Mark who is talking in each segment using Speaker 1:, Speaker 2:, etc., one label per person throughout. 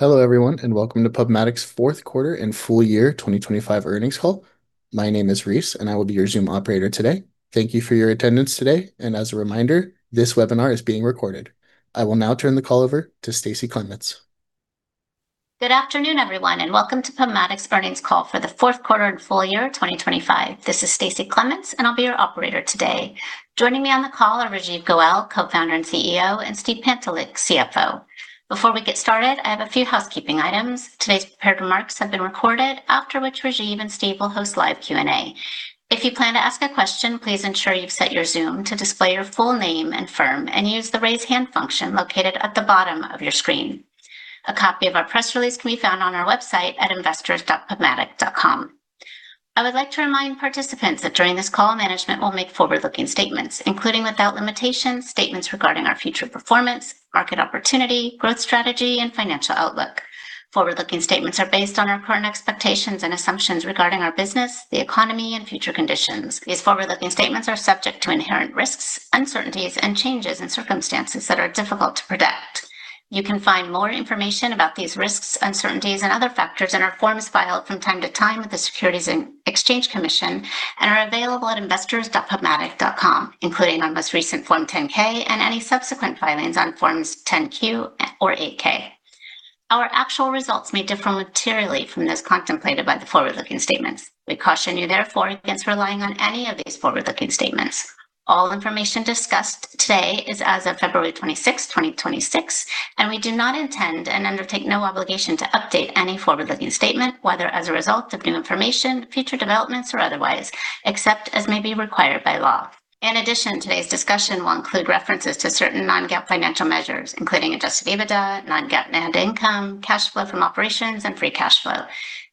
Speaker 1: Hello everyone, welcome to PubMatic's fourth quarter and full year 2025 earnings call. My name is Reese, and I will be your Zoom operator today. Thank you for your attendance today. As a reminder, this webinar is being recorded. I will now turn the call over to Stacy Clements.
Speaker 2: Good afternoon, everyone, and welcome to PubMatic's earnings call for the fourth quarter and full year 2025. This is Stacy Clements, and I'll be your operator today. Joining me on the call are Rajeev Goel, co-founder and CEO, and Steve Pantelick, CFO. Before we get started, I have a few housekeeping items. Today's prepared remarks have been recorded, after which Rajeev and Steve will host live Q&A. If you plan to ask a question, please ensure you've set your Zoom to display your full name and firm and use the raise hand function located at the bottom of your screen. A copy of our press release can be found on our website at investors.pubmatic.com. I would like to remind participants that during this call, management will make forward-looking statements, including without limitation, statements regarding our future performance, market opportunity, growth strategy, and financial outlook. Forward-looking statements are based on our current expectations and assumptions regarding our business, the economy, and future conditions. These forward-looking statements are subject to inherent risks, uncertainties, and changes in circumstances that are difficult to predict. You can find more information about these risks, uncertainties, and other factors in our forms filed from time to time with the Securities and Exchange Commission and are available at investors.pubmatic.com, including our most recent form 10-K and any subsequent filings on forms 10-Q or 8-K. Our actual results may differ materially from those contemplated by the forward-looking statements. We caution you therefore against relying on any of these forward-looking statements. All information discussed today is as of February 26, 2026, and we do not intend and undertake no obligation to update any forward-looking statement, whether as a result of new information, future developments, or otherwise, except as may be required by law. Today's discussion will include references to certain non-GAAP financial measures, including adjusted EBITDA, non-GAAP net income, cash flow from operations, and free cash flow.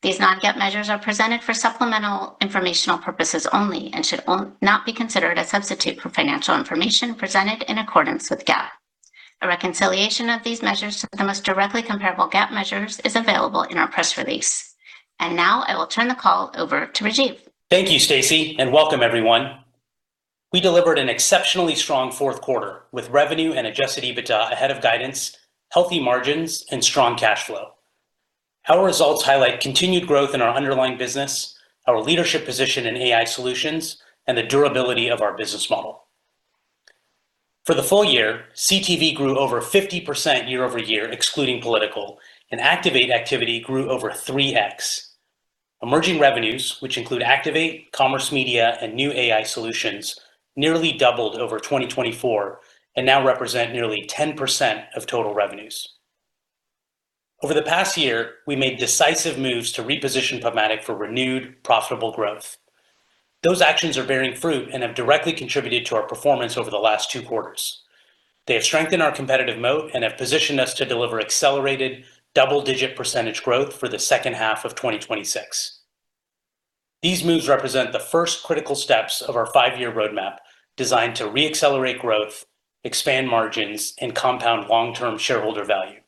Speaker 2: These non-GAAP measures are presented for supplemental informational purposes only and should not be considered a substitute for financial information presented in accordance with GAAP. A reconciliation of these measures to the most directly comparable GAAP measures is available in our press release. Now I will turn the call over to Rajeev.
Speaker 3: Thank you, Stacy. Welcome everyone. We delivered an exceptionally strong fourth quarter with revenue and adjusted EBITDA ahead of guidance, healthy margins, and strong cash flow. Our results highlight continued growth in our underlying business, our leadership position in AI solutions, and the durability of our business model. For the full year, CTV grew over 50% year-over-year, excluding political, and Activate activity grew over 3x. Emerging revenues, which include Activate, Commerce Media, and new AI solutions, nearly doubled over 2024 and now represent nearly 10% of total revenues. Over the past year, we made decisive moves to reposition PubMatic for renewed profitable growth. Those actions are bearing fruit and have directly contributed to our performance over the last two quarters. They have strengthened our competitive moat and have positioned us to deliver accelerated double-digit percentage growth for the second half of 2026. These moves represent the first critical steps of our five-year roadmap designed to re-accelerate growth, expand margins, and compound long-term shareholder value.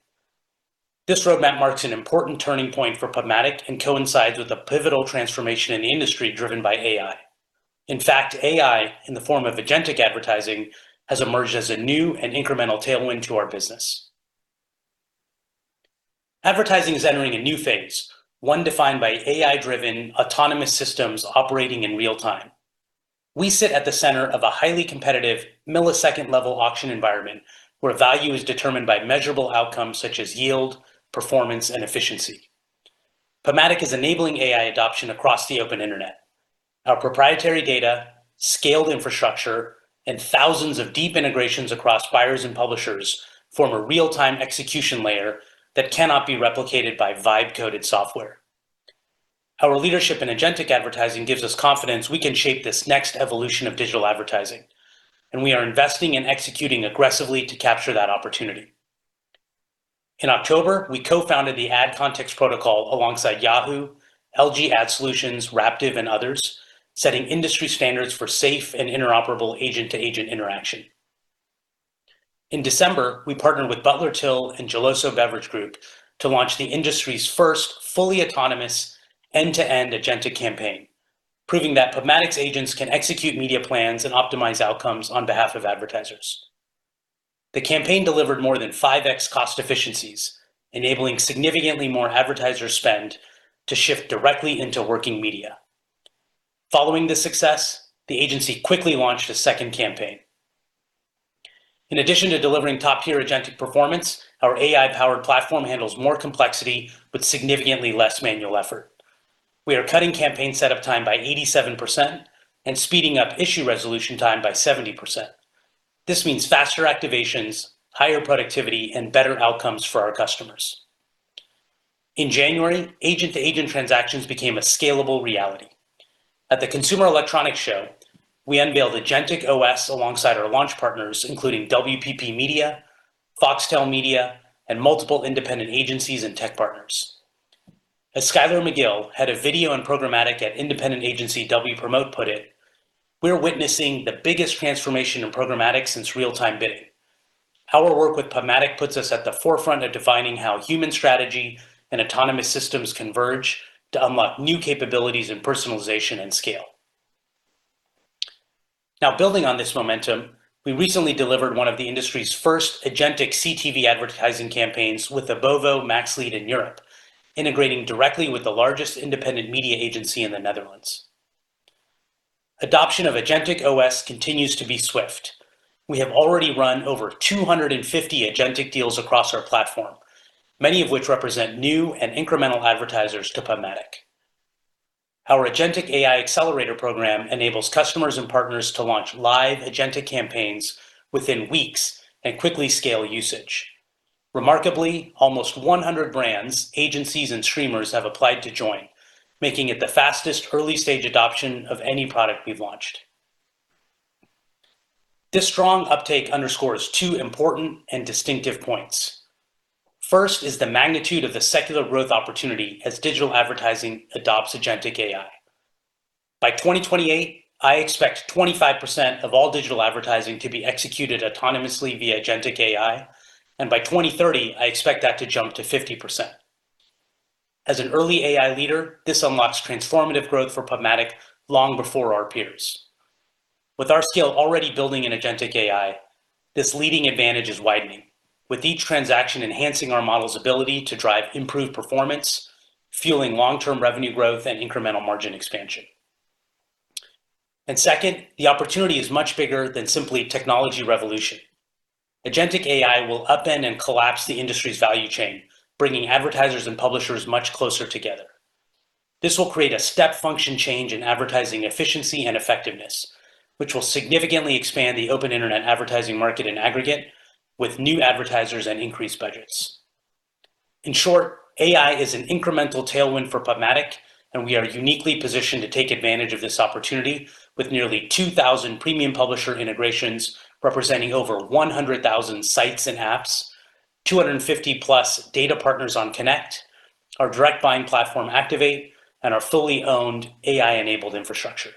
Speaker 3: This roadmap marks an important turning point for PubMatic and coincides with a pivotal transformation in the industry driven by AI. In fact, AI, in the form of agentic advertising, has emerged as a new and incremental tailwind to our business. Advertising is entering a new phase, one defined by AI-driven autonomous systems operating in real time. We sit at the center of a highly competitive millisecond-level auction environment where value is determined by measurable outcomes such as yield, performance, and efficiency. PubMatic is enabling AI adoption across the open internet. Our proprietary data, scaled infrastructure, and thousands of deep integrations across buyers and publishers form a real-time execution layer that cannot be replicated by vibe-coded software. Our leadership in agentic advertising gives us confidence we can shape this next evolution of digital advertising. We are investing and executing aggressively to capture that opportunity. In October, we co-founded the Ad Contextual Protocol alongside Yahoo, LG Ad Solutions, Raptive, and others, setting industry standards for safe and interoperable agent-to-agent interaction. In December, we partnered with Butler/Till and Geloso Beverage Group to launch the industry's first fully autonomous end-to-end agentic campaign, proving that PubMatic's agents can execute media plans and optimize outcomes on behalf of advertisers. The campaign delivered more than 5x cost efficiencies, enabling significantly more advertiser spend to shift directly into working media. Following this success, the agency quickly launched a second campaign. In addition to delivering top-tier agentic performance, our AI-powered platform handles more complexity with significantly less manual effort. We are cutting campaign setup time by 87% and speeding up issue resolution time by 70%. This means faster activations, higher productivity, and better outcomes for our customers. In January, agent-to-agent transactions became a scalable reality. At the Consumer Electronics Show, we unveiled Agentic OS alongside our launch partners, including WPP Media, Foxtel Media, and multiple independent agencies and tech partners. As Skyler McGill, head of video and programmatic at independent agency Wpromote put it, "We're witnessing the biggest transformation in programmatic since real-time bidding." Our work with PubMatic puts us at the forefront of defining how human strategy and autonomous systems converge to unlock new capabilities in personalization and scale. Now building on this momentum, we recently delivered one of the industry's first agentic CTV advertising campaigns with Abovo Maxlead in Europe, integrating directly with the largest independent media agency in the Netherlands. Adoption of Agentic OS continues to be swift. We have already run over 250 agentic deals across our platform, many of which represent new and incremental advertisers to PubMatic. Our Agentic AI Accelerator Program enables customers and partners to launch live agentic campaigns within weeks and quickly scale usage. Remarkably, almost 100 brands, agencies, and streamers have applied to join, making it the fastest early-stage adoption of any product we've launched. This strong uptake underscores two important and distinctive points. First is the magnitude of the secular growth opportunity as digital advertising adopts Agentic AI. By 2028, I expect 25% of all digital advertising to be executed autonomously via Agentic AI, and by 2030, I expect that to jump to 50%. As an early AI leader, this unlocks transformative growth for PubMatic long before our peers. With our scale already building in agentic AI, this leading advantage is widening with each transaction enhancing our model's ability to drive improved performance, fueling long-term revenue growth and incremental margin expansion. Second, the opportunity is much bigger than simply technology revolution. Agentic AI will upend and collapse the industry's value chain, bringing advertisers and publishers much closer together. This will create a step function change in advertising efficiency and effectiveness, which will significantly expand the open internet advertising market in aggregate with new advertisers and increased budgets. In short, AI is an incremental tailwind for PubMatic, we are uniquely positioned to take advantage of this opportunity with nearly 2,000 premium publisher integrations representing over 100,000 sites and apps, 250+ data partners on Connect, our direct buying platform, Activate, and our fully owned AI-enabled infrastructure.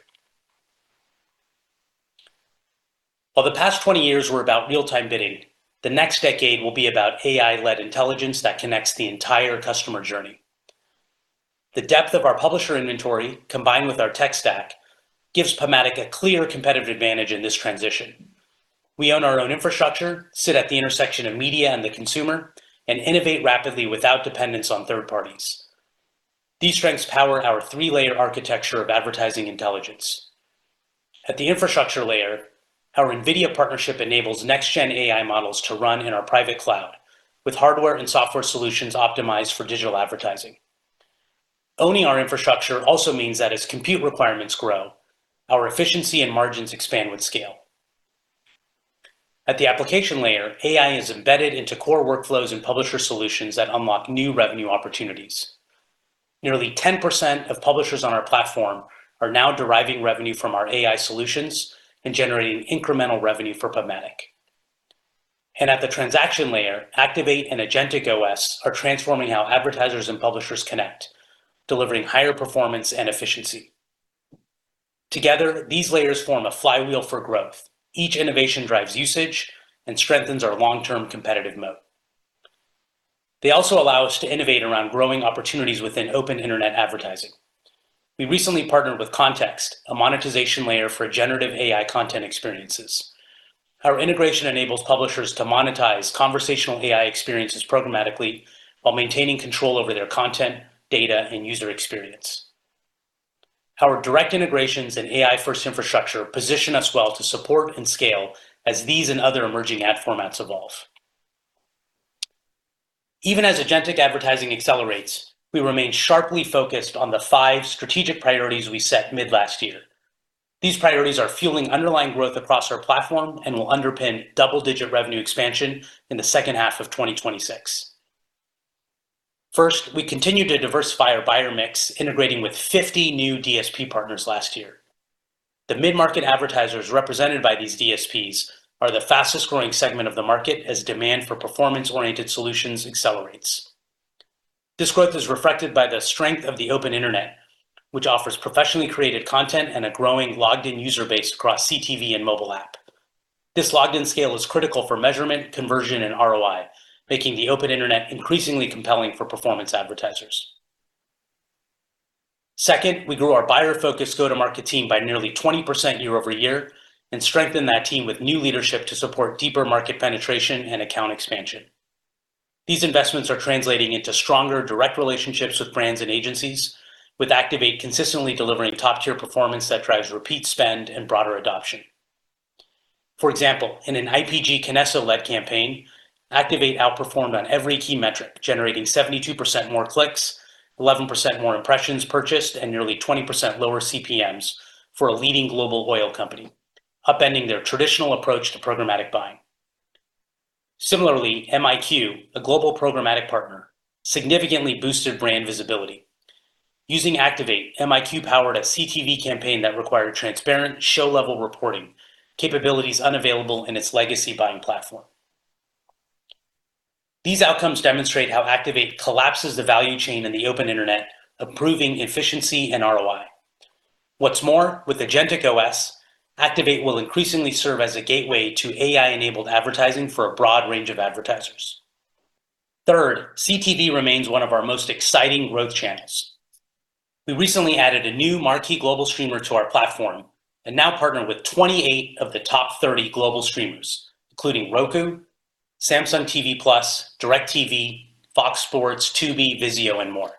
Speaker 3: While the past 20 years were about real-time bidding, the next decade will be about AI-led intelligence that connects the entire customer journey. The depth of our publisher inventory, combined with our tech stack, gives PubMatic a clear competitive advantage in this transition. We own our own infrastructure, sit at the intersection of media and the consumer, and innovate rapidly without dependence on third parties. These strengths power our 3-layer architecture of advertising intelligence. At the infrastructure layer, our NVIDIA partnership enables next-gen AI models to run in our private cloud with hardware and software solutions optimized for digital advertising. Owning our infrastructure also means that as compute requirements grow, our efficiency and margins expand with scale. At the application layer, AI is embedded into core workflows and publisher solutions that unlock new revenue opportunities. Nearly 10% of publishers on our platform are now deriving revenue from our AI solutions and generating incremental revenue for PubMatic. At the transaction layer, Activate and Agentic OS are transforming how advertisers and publishers connect, delivering higher performance and efficiency. Together, these layers form a flywheel for growth. Each innovation drives usage and strengthens our long-term competitive moat. They also allow us to innovate around growing opportunities within open internet advertising. We recently partnered with Context, a monetization layer for generative AI content experiences. Our integration enables publishers to monetize conversational AI experiences programmatically while maintaining control over their content, data, and user experience. Our direct integrations and AI-first infrastructure position us well to support and scale as these and other emerging ad formats evolve. Even as agentic advertising accelerates, we remain sharply focused on the five strategic priorities we set mid-last year. These priorities are fueling underlying growth across our platform and will underpin double-digit revenue expansion in the second half of 2026. First, we continue to diversify our buyer mix, integrating with 50 new DSP partners last year. The mid-market advertisers represented by these DSPs are the fastest-growing segment of the market as demand for performance-oriented solutions accelerates. This growth is reflected by the strength of the open internet, which offers professionally created content and a growing logged-in user base across CTV and mobile app. This logged-in scale is critical for measurement, conversion, and ROI, making the open internet increasingly compelling for performance advertisers. Second, we grew our buyer-focused go-to-market team by nearly 20% year-over-year and strengthened that team with new leadership to support deeper market penetration and account expansion. These investments are translating into stronger direct relationships with brands and agencies, with Activate consistently delivering top-tier performance that drives repeat spend and broader adoption. For example, in an IPG Kinesso-led campaign, Activate outperformed on every key metric, generating 72% more clicks, 11% more impressions purchased, and nearly 20% lower CPMs for a leading global oil company, upending their traditional approach to programmatic buying. Similarly, MiQ, a global programmatic partner, significantly boosted brand visibility. Using Activate, MiQ powered a CTV campaign that required transparent show-level reporting capabilities unavailable in its legacy buying platform. These outcomes demonstrate how Activate collapses the value chain in the open internet, improving efficiency and ROI. What's more, with Agentic OS, Activate will increasingly serve as a gateway to AI-enabled advertising for a broad range of advertisers. Third, CTV remains one of our most exciting growth channels. We recently added a new marquee global streamer to our platform and now partner with 28 of the top 30 global streamers, including Roku, Samsung TV Plus, DirecTV, Fox Sports, Tubi, VIZIO, and more.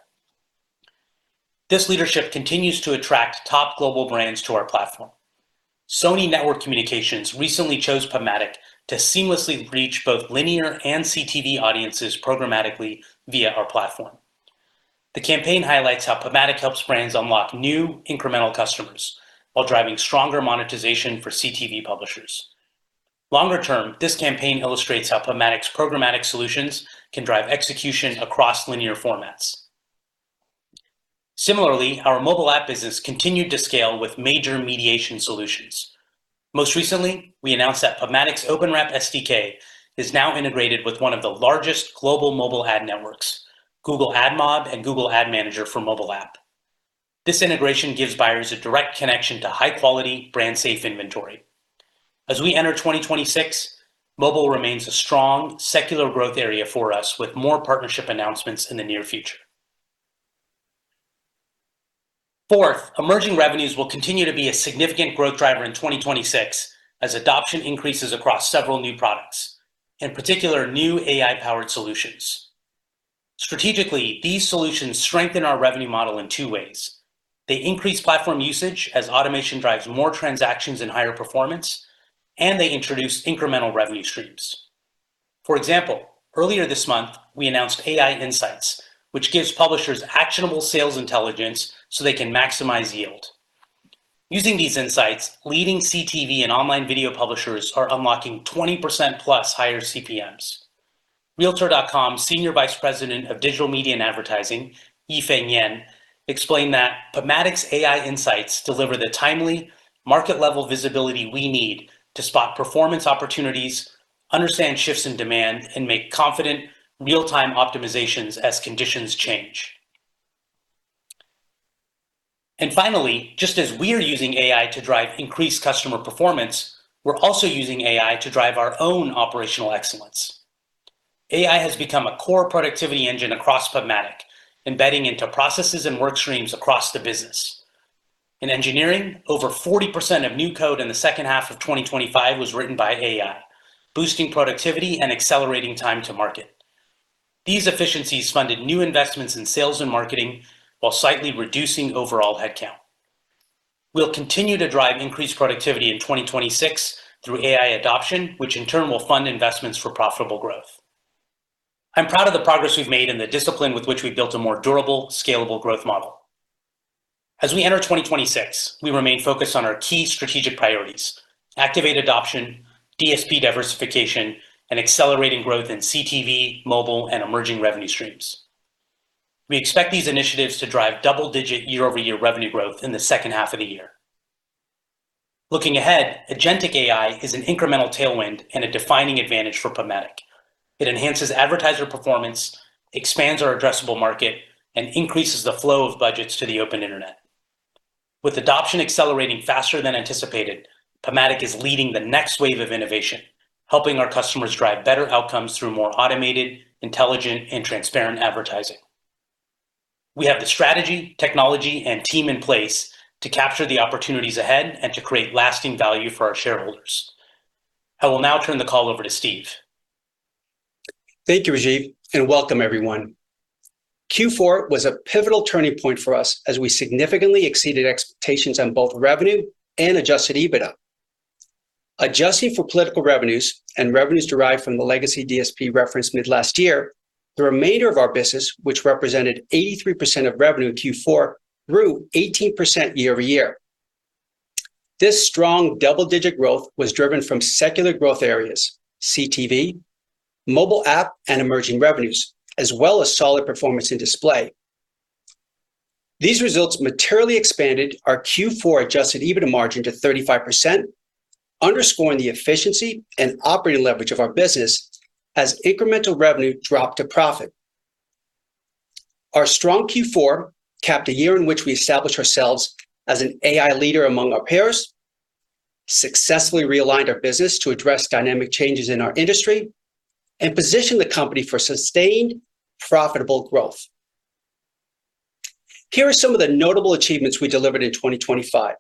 Speaker 3: This leadership continues to attract top global brands to our platform. Sony Network Communications recently chose PubMatic to seamlessly reach both linear and CTV audiences programmatically via our platform. The campaign highlights how PubMatic helps brands unlock new incremental customers while driving stronger monetization for CTV publishers. Longer term, this campaign illustrates how PubMatic's programmatic solutions can drive execution across linear formats. Similarly, our mobile app business continued to scale with major mediation solutions. Most recently, we announced that PubMatic's OpenWrap SDK is now integrated with one of the largest global mobile ad networks, Google AdMob and Google Ad Manager for mobile app. This integration gives buyers a direct connection to high-quality brand safe inventory. As we enter 2026, mobile remains a strong secular growth area for us with more partnership announcements in the near future. Fourth, emerging revenues will continue to be a significant growth driver in 2026 as adoption increases across several new products, in particular, new AI-powered solutions. Strategically, these solutions strengthen our revenue model in two ways. They increase platform usage as automation drives more transactions and higher performance. They introduce incremental revenue streams. For example, earlier this month, we announced AI Insights, which gives publishers actionable sales intelligence so they can maximize yield. Using these insights, leading CTV and online video publishers are unlocking 20%+ higher CPMs. Realtor.com Senior Vice President of Digital Media and Advertising, Yi-Fang Yen, explained that, "PubMatic's AI Insights deliver the timely market-level visibility we need to spot performance opportunities, understand shifts in demand, and make confident real-time optimizations as conditions change." Finally, just as we're using AI to drive increased customer performance, we're also using AI to drive our own operational excellence. AI has become a core productivity engine across PubMatic, embedding into processes and work streams across the business. In engineering, over 40% of new code in the second half of 2025 was written by AI, boosting productivity and accelerating time to market. These efficiencies funded new investments in sales and marketing while slightly reducing overall headcount. We'll continue to drive increased productivity in 2026 through AI adoption, which in turn will fund investments for profitable growth. I'm proud of the progress we've made and the discipline with which we built a more durable, scalable growth model. As we enter 2026, we remain focused on our key strategic priorities: Activate adoption, DSP diversification, and accelerating growth in CTV, mobile, and emerging revenue streams. We expect these initiatives to drive double-digit year-over-year revenue growth in the second half of the year. Looking ahead, agentic AI is an incremental tailwind and a defining advantage for PubMatic. It enhances advertiser performance, expands our addressable market, and increases the flow of budgets to the open internet. With adoption accelerating faster than anticipated, PubMatic is leading the next wave of innovation, helping our customers drive better outcomes through more automated, intelligent, and transparent advertising. We have the strategy, technology, and team in place to capture the opportunities ahead and to create lasting value for our shareholders. I will now turn the call over to Steve.
Speaker 4: Thank you, Rajeev. Welcome everyone. Q4 was a pivotal turning point for us as we significantly exceeded expectations on both revenue and adjusted EBITDA. Adjusting for political revenues and revenues derived from the legacy DSP referenced mid-last year, the remainder of our business, which represented 83% of revenue in Q4, grew 18% year-over-year. This strong double-digit growth was driven from secular growth areas: CTV, mobile app, and emerging revenues, as well as solid performance in display. These results materially expanded our Q4 adjusted EBITDA margin to 35%, underscoring the efficiency and operating leverage of our business as incremental revenue dropped to profit. Our strong Q4 capped a year in which we established ourselves as an AI leader among our peers, successfully realigned our business to address dynamic changes in our industry, positioned the company for sustained profitable growth. Here are some of the notable achievements we delivered in 2025.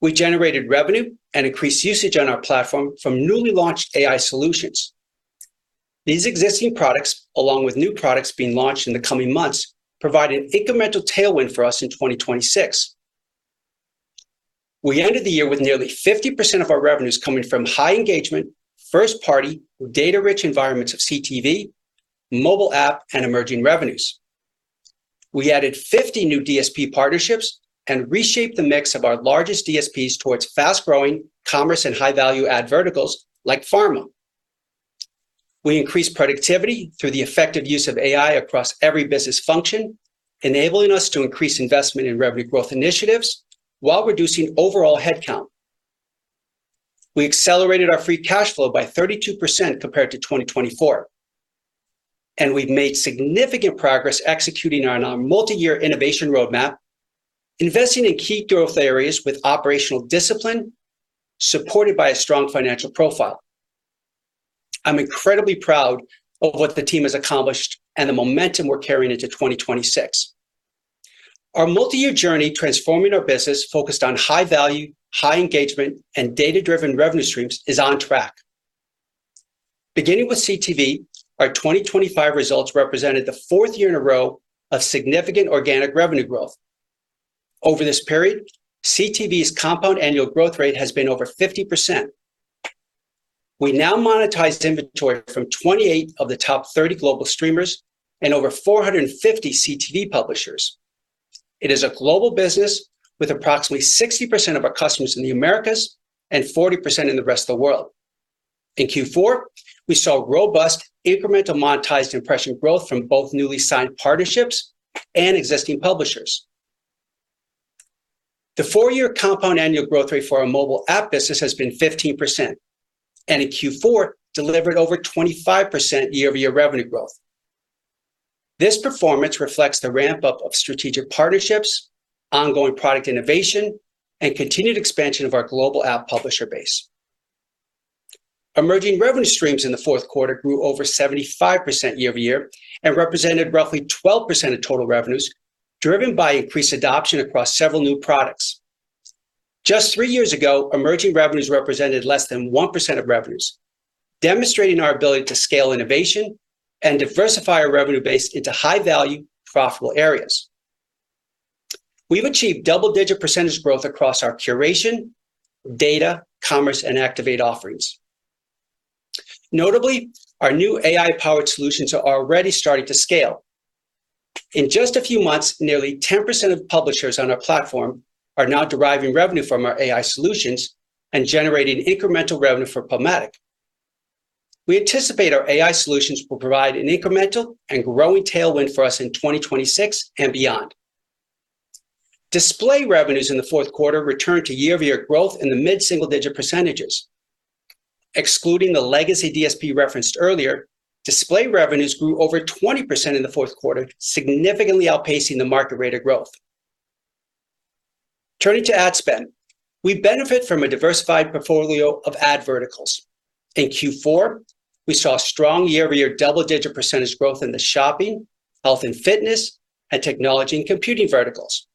Speaker 4: We generated revenue and increased usage on our platform from newly launched AI solutions. These existing products, along with new products being launched in the coming months, provide an incremental tailwind for us in 2026. We ended the year with nearly 50% of our revenues coming from high engagement, first-party, data-rich environments of CTV, mobile app, and emerging revenues. We added 50 new DSP partnerships and reshaped the mix of our largest DSPs towards fast-growing commerce and high-value ad verticals like pharma. We increased productivity through the effective use of AI across every business function, enabling us to increase investment in revenue growth initiatives while reducing overall headcount. We accelerated our free cash flow by 32% compared to 2024, we've made significant progress executing on our multi-year innovation roadmap... investing in key growth areas with operational discipline, supported by a strong financial profile. I'm incredibly proud of what the team has accomplished and the momentum we're carrying into 2026. Our multi-year journey transforming our business, focused on high value, high engagement, and data-driven revenue streams, is on track. Beginning with CTV, our 2025 results represented the fourth year in a row of significant organic revenue growth. Over this period, CTV's compound annual growth rate has been over 50%. We now monetized inventory from 28 of the top 30 global streamers and over 450 CTV publishers. It is a global business with approximately 60% of our customers in the Americas and 40% in the rest of the world. In Q4, we saw robust incremental monetized impression growth from both newly signed partnerships and existing publishers. The four-year compound annual growth rate for our mobile app business has been 15%, and in Q4, delivered over 25% year-over-year revenue growth. This performance reflects the ramp-up of strategic partnerships, ongoing product innovation, and continued expansion of our global app publisher base. Emerging revenue streams in the fourth quarter grew over 75% year-over-year and represented roughly 12% of total revenues, driven by increased adoption across several new products. Just three years ago, emerging revenues represented less than 1% of revenues, demonstrating our ability to scale innovation and diversify our revenue base into high-value, profitable areas. We've achieved double-digit percentage growth across our curation, data, commerce, and Activate offerings. Notably, our new AI-powered solutions are already starting to scale. In just a few months, nearly 10% of publishers on our platform are now deriving revenue from our AI solutions and generating incremental revenue for PubMatic. We anticipate our AI solutions will provide an incremental and growing tailwind for us in 2026 and beyond. Display revenues in the fourth quarter returned to year-over-year growth in the mid-single-digit percentage. Excluding the legacy DSP referenced earlier, display revenues grew over 20% in the fourth quarter, significantly outpacing the market rate of growth. Turning to ad spend, we benefit from a diversified portfolio of ad verticals. In Q4, we saw strong year-over-year double-digit percentage growth in the shopping, health and fitness, and technology and computing verticals.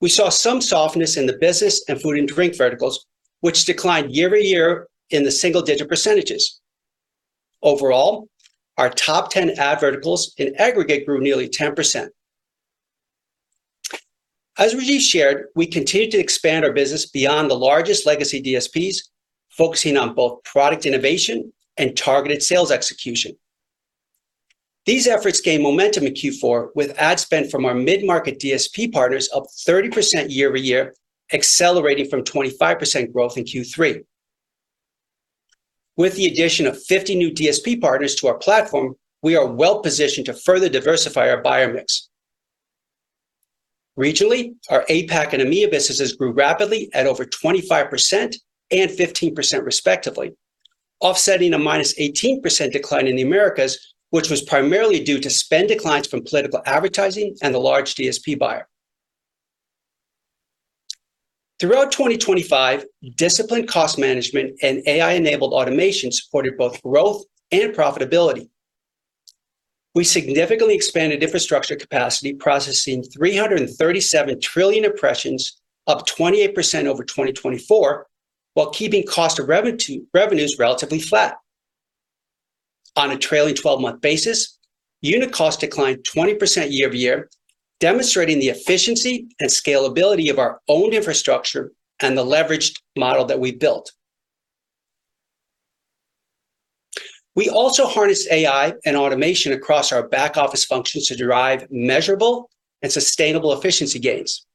Speaker 4: We saw some softness in the business and food and drink verticals, which declined year-over-year in the single-digit %. Overall, our top 10 ad verticals in aggregate grew nearly 10%. As Rajeev shared, we continue to expand our business beyond the largest legacy DSPs, focusing on both product innovation and targeted sales execution. These efforts gained momentum in Q4, with ad spend from our mid-market DSP partners up 30% year-over-year, accelerating from 25% growth in Q3. With the addition of 50 new DSP partners to our platform, we are well-positioned to further diversify our buyer mix. Regionally, our APAC and EMEA businesses grew rapidly at over 25% and 15% respectively, offsetting a -18% decline in the Americas, which was primarily due to spend declines from political advertising and the large DSP buyer. Throughout 2025, disciplined cost management and AI-enabled automation supported both growth and profitability. We significantly expanded infrastructure capacity, processing 337 trillion impressions, up 28% over 2024, while keeping cost of revenue, revenues relatively flat. On a trailing 12-month basis, unit cost declined 20% year-over-year, demonstrating the efficiency and scalability of our owned infrastructure and the leveraged model that we built. We also harnessed AI and automation across our back-office functions to derive measurable and sustainable efficiency gains.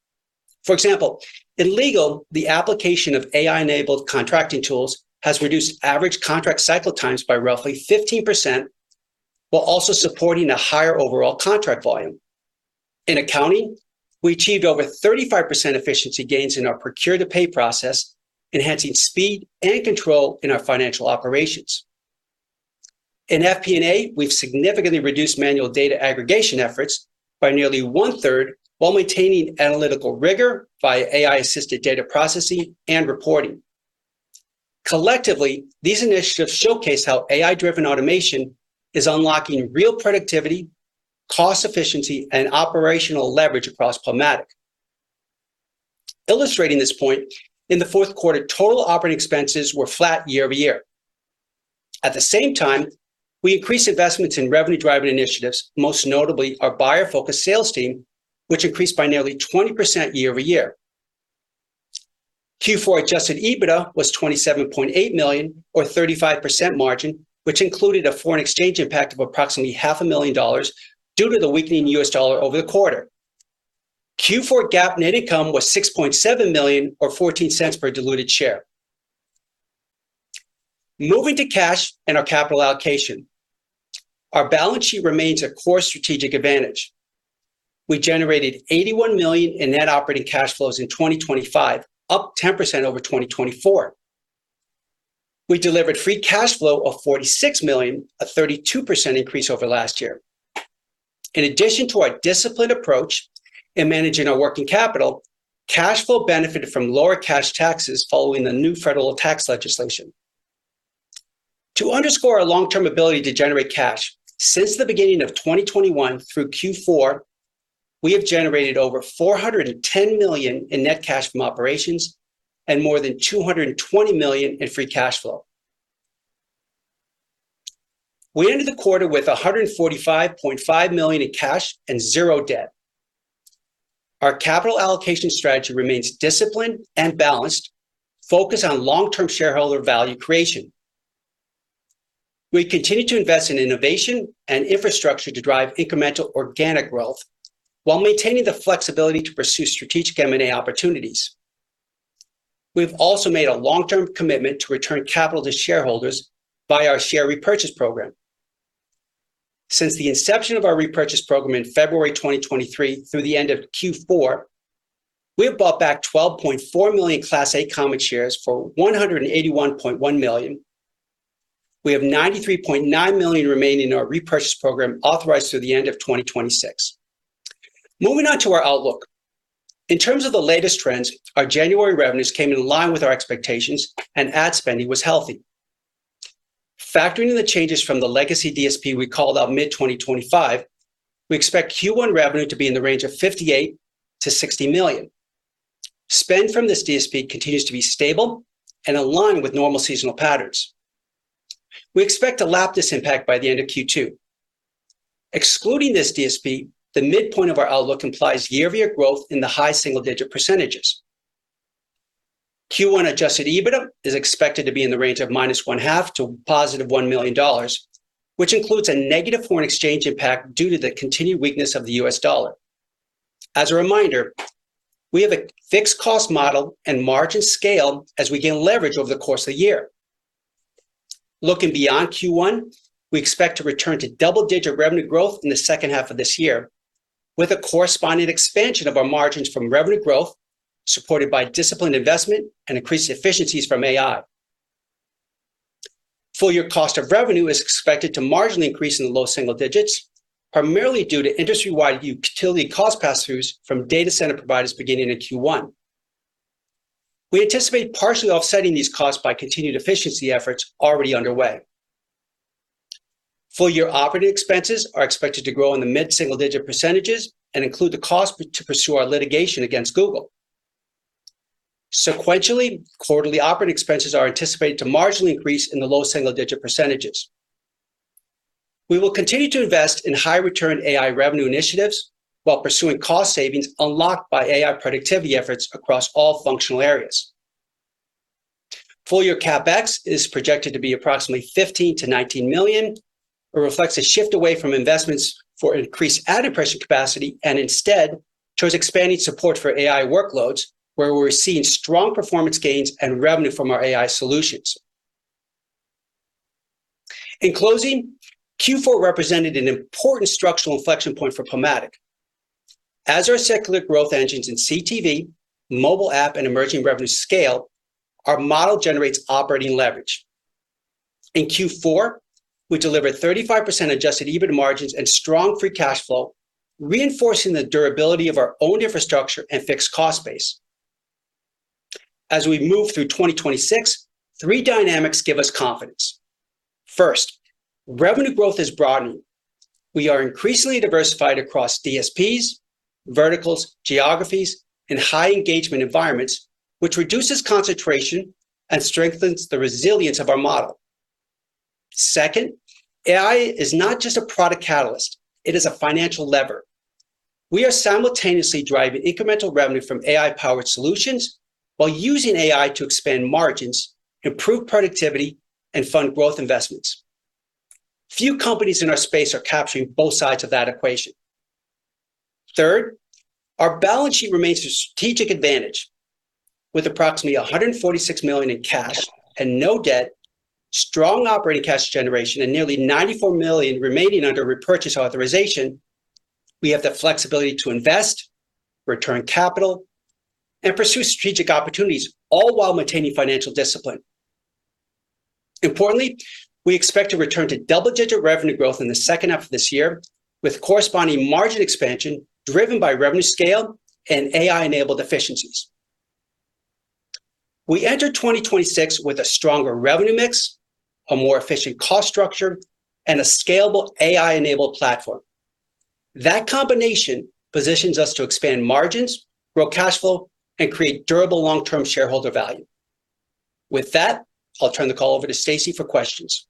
Speaker 4: For example, in legal, the application of AI-enabled contracting tools has reduced average contract cycle times by roughly 15%, while also supporting a higher overall contract volume. In accounting, we achieved over 35% efficiency gains in our procure-to-pay process, enhancing speed and control in our financial operations. In FP&A, we've significantly reduced manual data aggregation efforts by nearly one-third while maintaining analytical rigor via AI-assisted data processing and reporting. Collectively, these initiatives showcase how AI-driven automation is unlocking real productivity, cost efficiency, and operational leverage across PubMatic. Illustrating this point, in the fourth quarter, total operating expenses were flat year-over-year. At the same time, we increased investments in revenue-driving initiatives, most notably our buyer-focused sales team, which increased by nearly 20% year-over-year. Q4 adjusted EBITDA was $27.8 million or 35% margin, which included a foreign exchange impact of approximately $500,000 due to the weakening U.S. dollar over the quarter. Q4 GAAP net income was $6.7 million or $0.14 per diluted share. Moving to cash and our capital allocation. Our balance sheet remains a core strategic advantage. We generated $81 million in net operating cash flows in 2025, up 10% over 2024. We delivered free cash flow of $46 million, a 32% increase over last year. In addition to our disciplined approach in managing our working capital, cash flow benefited from lower cash taxes following the new federal tax legislation. To underscore our long-term ability to generate cash, since the beginning of 2021 through Q4, we have generated over $410 million in net cash from operations and more than $220 million in free cash flow. We ended the quarter with $145.5 million in cash and zero debt. Our capital allocation strategy remains disciplined and balanced, focused on long-term shareholder value creation. We continue to invest in innovation and infrastructure to drive incremental organic growth while maintaining the flexibility to pursue strategic M&A opportunities. We've also made a long-term commitment to return capital to shareholders by our share repurchase program. Since the inception of our repurchase program in February 2023 through the end of Q4, we have bought back 12.4 million Class A common stock for $181.1 million. We have $93.9 million remaining in our repurchase program authorized through the end of 2026. Moving on to our outlook. In terms of the latest trends, our January revenues came in line with our expectations and ad spending was healthy. Factoring in the changes from the legacy DSP we called out mid-2025, we expect Q1 revenue to be in the range of $58 million–$60 million. Spend from this DSP continues to be stable and aligned with normal seasonal patterns. We expect to lap this impact by the end of Q2. Excluding this DSP, the midpoint of our outlook implies year-over-year growth in the high single-digit percentage. Q1 adjusted EBITDA is expected to be in the range of minus one half to +$1 million, which includes a negative foreign exchange impact due to the continued weakness of the U.S. dollar. As a reminder, we have a fixed cost model and margins scale as we gain leverage over the course of the year. Looking beyond Q1, we expect to return to double-digit revenue growth in the second half of this year, with a corresponding expansion of our margins from revenue growth supported by disciplined investment and increased efficiencies from AI. Full-year cost of revenue is expected to marginally increase in the low single digits, primarily due to industry-wide utility cost pass-throughs from data center providers beginning in Q1. We anticipate partially offsetting these costs by continued efficiency efforts already underway. Full-year operating expenses are expected to grow in the mid-single-digit percentages and include the cost to pursue our litigation against Google. Sequentially, quarterly operating expenses are anticipated to marginally increase in the low single-digit percentages. We will continue to invest in high-return AI revenue initiatives while pursuing cost savings unlocked by AI productivity efforts across all functional areas. Full-year CapEx is projected to be approximately $15 million–$19 million. It reflects a shift away from investments for increased ad impression capacity and instead towards expanding support for AI workloads where we're seeing strong performance gains and revenue from our AI solutions. In closing, Q4 represented an important structural inflection point for PubMatic. As our cyclical growth engines in CTV, mobile app, and emerging revenue scale, our model generates operating leverage. In Q4, we delivered 35% adjusted EBITDA margins and strong free cash flow, reinforcing the durability of our owned infrastructure and fixed cost base. We move through 2026, three dynamics give us confidence. First, revenue growth is broadening. We are increasingly diversified across DSPs, verticals, geographies, and high-engagement environments, which reduces concentration and strengthens the resilience of our model. Second, AI is not just a product catalyst, it is a financial lever. We are simultaneously driving incremental revenue from AI-powered solutions while using AI to expand margins, improve productivity, and fund growth investments. Few companies in our space are capturing both sides of that equation. Third, our balance sheet remains a strategic advantage. With approximately $146 million in cash and no debt, strong operating cash generation, and nearly $94 million remaining under repurchase authorization, we have the flexibility to invest, return capital, and pursue strategic opportunities, all while maintaining financial discipline. Importantly, we expect to return to double-digit revenue growth in the second half of this year, with corresponding margin expansion driven by revenue scale and AI-enabled efficiencies. We enter 2026 with a stronger revenue mix, a more efficient cost structure, and a scalable AI-enabled platform. That combination positions us to expand margins, grow cash flow, and create durable long-term shareholder value. With that, I'll turn the call over to Stacy for questions.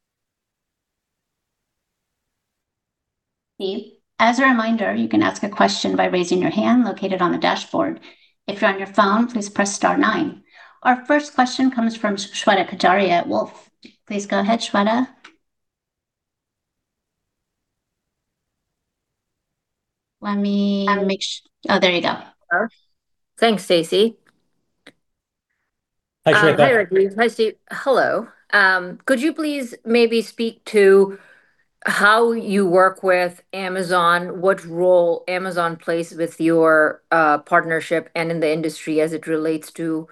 Speaker 2: As a reminder, you can ask a question by raising your hand located on the dashboard. If you're on your phone, please press star nine. Our first question comes from Shweta Khajuria at Wolfe. Please go ahead, Shweta. Oh, there you go.
Speaker 5: Sure. Thanks, Stacy.
Speaker 4: Hi, Shweta.
Speaker 5: Hi, Rajeev. Hi, Steve. Hello. Could you please maybe speak to how you work with Amazon, what role Amazon plays with your partnership and in the industry as it relates to,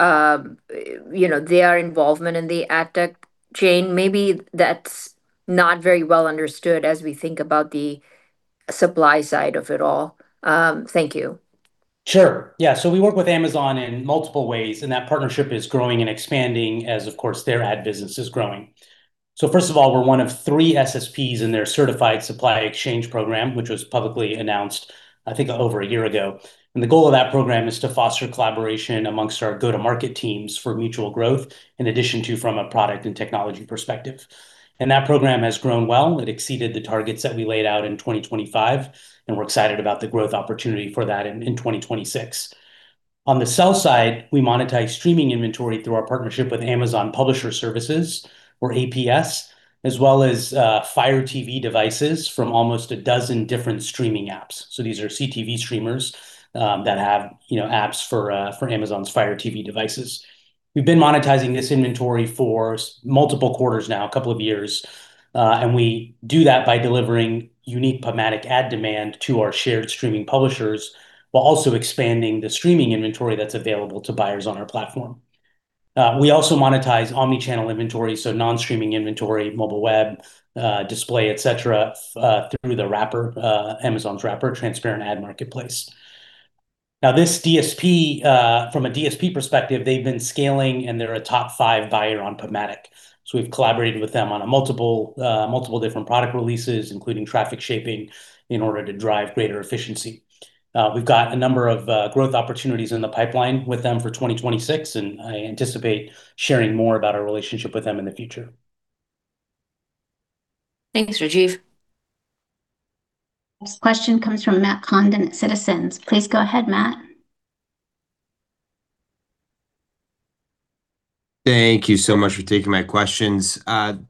Speaker 5: you know, their involvement in the ad tech chain? Maybe that's not very well understood as we think about the supply side of it all. Thank you.
Speaker 3: Sure. Yeah. We work with Amazon in multiple ways, and that partnership is growing and expanding as, of course, their ad business is growing. First of all, we're one of three SSPs in their Certified Supply Exchange program, which was publicly announced, I think, over a year ago. The goal of that program is to foster collaboration amongst our go-to-market teams for mutual growth, in addition to from a product and technology perspective. That program has grown well. It exceeded the targets that we laid out in 2025, and we're excited about the growth opportunity for that in 2026. On the sell side, we monetize streaming inventory through our partnership with Amazon Publisher Services or APS, as well as Fire TV devices from almost a dozen different streaming apps. These are CTV streamers that have, you know, apps for Amazon's Fire TV devices. We've been monetizing this inventory for multiple quarters now, a couple of years, and we do that by delivering unique PubMatic ad demand to our shared streaming publishers while also expanding the streaming inventory that's available to buyers on our platform. We also monetize omni-channel inventory, so non-streaming inventory, mobile web, display, et cetera, through the wrapper, Amazon's wrapper Transparent Ad Marketplace. This DSP, from a DSP perspective, they've been scaling, and they're a top 5 buyer on PubMatic. We've collaborated with them on multiple different product releases, including traffic shaping in order to drive greater efficiency. We've got a number of growth opportunities in the pipeline with them for 2026, and I anticipate sharing more about our relationship with them in the future.
Speaker 5: Thanks, Rajeev.
Speaker 1: Next question comes from Matt Condon at Citizens. Please go ahead, Matt.
Speaker 6: Thank you so much for taking my questions.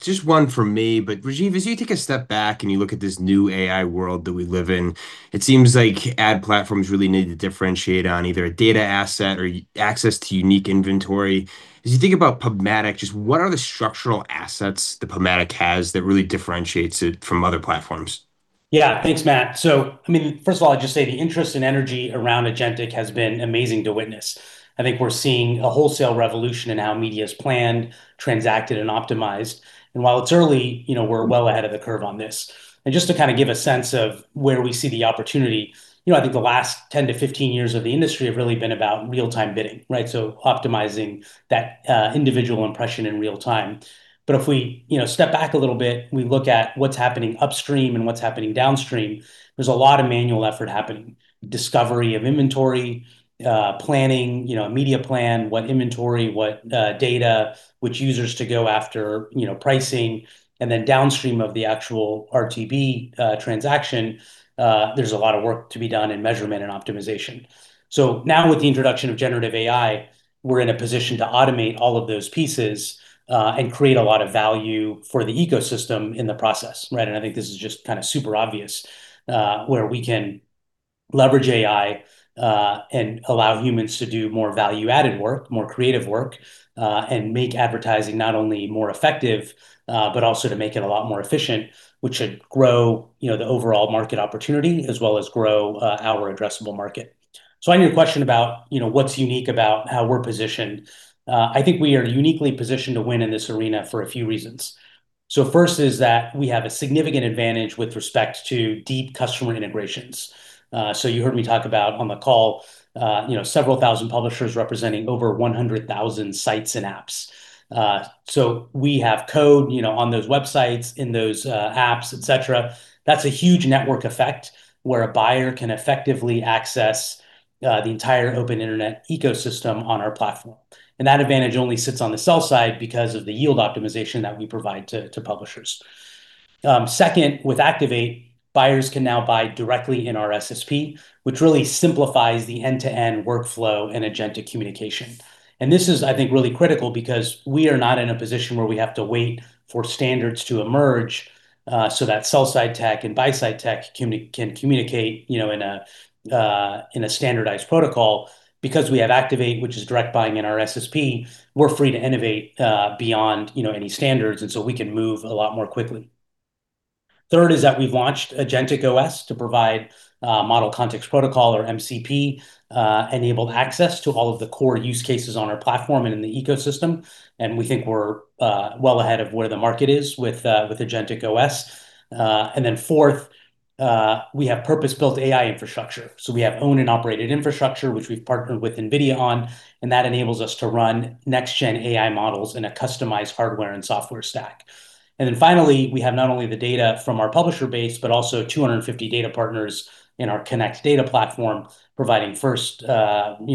Speaker 6: Just one from me. Rajeev, as you take a step back and you look at this new AI world that we live in, it seems like ad platforms really need to differentiate on either a data asset or access to unique inventory. As you think about PubMatic, just what are the structural assets that PubMatic has that really differentiates it from other platforms?
Speaker 3: Thanks, Matt. I mean, first of all, I'd just say the interest and energy around agentic has been amazing to witness. I think we're seeing a wholesale revolution in how media is planned, transacted, and optimized. While it's early, you know, we're well ahead of the curve on this. Just to kind of give a sense of where we see the opportunity, you know, I think the last 10-15 years of the industry have really been about real-time bidding, right? Optimizing that individual impression in real time. If we, you know, step back a little bit and we look at what's happening upstream and what's happening downstream, there's a lot of manual effort happening. Discovery of inventory, planning, you know, media plan, what inventory, what data, which users to go after, you know, pricing, and then downstream of the actual RTB transaction, there's a lot of work to be done in measurement and optimization. Now with the introduction of generative AI, we're in a position to automate all of those pieces, and create a lot of value for the ecosystem in the process, right? I think this is just kind of super obvious, where we can leverage AI, and allow humans to do more value-added work, more creative work, and make advertising not only more effective, but also to make it a lot more efficient, which should grow, you know, the overall market opportunity as well as grow, our addressable market. On your question about, you know, what's unique about how we're positioned, I think we are uniquely positioned to win in this arena for a few reasons. First is that we have a significant advantage with respect to deep customer integrations. You heard me talk about on the call, you know, several thousand publishers representing over 100,000 sites and apps. We have code, you know, on those websites, in those apps, et cetera. That's a huge network effect where a buyer can effectively access the entire open internet ecosystem on our platform. That advantage only sits on the sell side because of the yield optimization that we provide to publishers. Second, with Activate, buyers can now buy directly in our SSP, which really simplifies the end-to-end workflow and agentic communication. This is, I think, really critical because we are not in a position where we have to wait for standards to emerge so that sell-side tech and buy-side tech can communicate, you know, in a standardized protocol. Because we have Activate, which is direct buying in our SSP, we're free to innovate beyond, you know, any standards, and so we can move a lot more quickly. Third is that we've launched Agentic OS to provide Model Context Protocol or MCP enabled access to all of the core use cases on our platform and in the ecosystem, and we think we're well ahead of where the market is with Agentic OS. Fourth, we have purpose-built AI infrastructure. We have own and operated infrastructure, which we've partnered with NVIDIA on, that enables us to run next gen AI models in a customized hardware and software stack. Finally, we have not only the data from our publisher base, but also 250 data partners in our Connect data platform providing first, you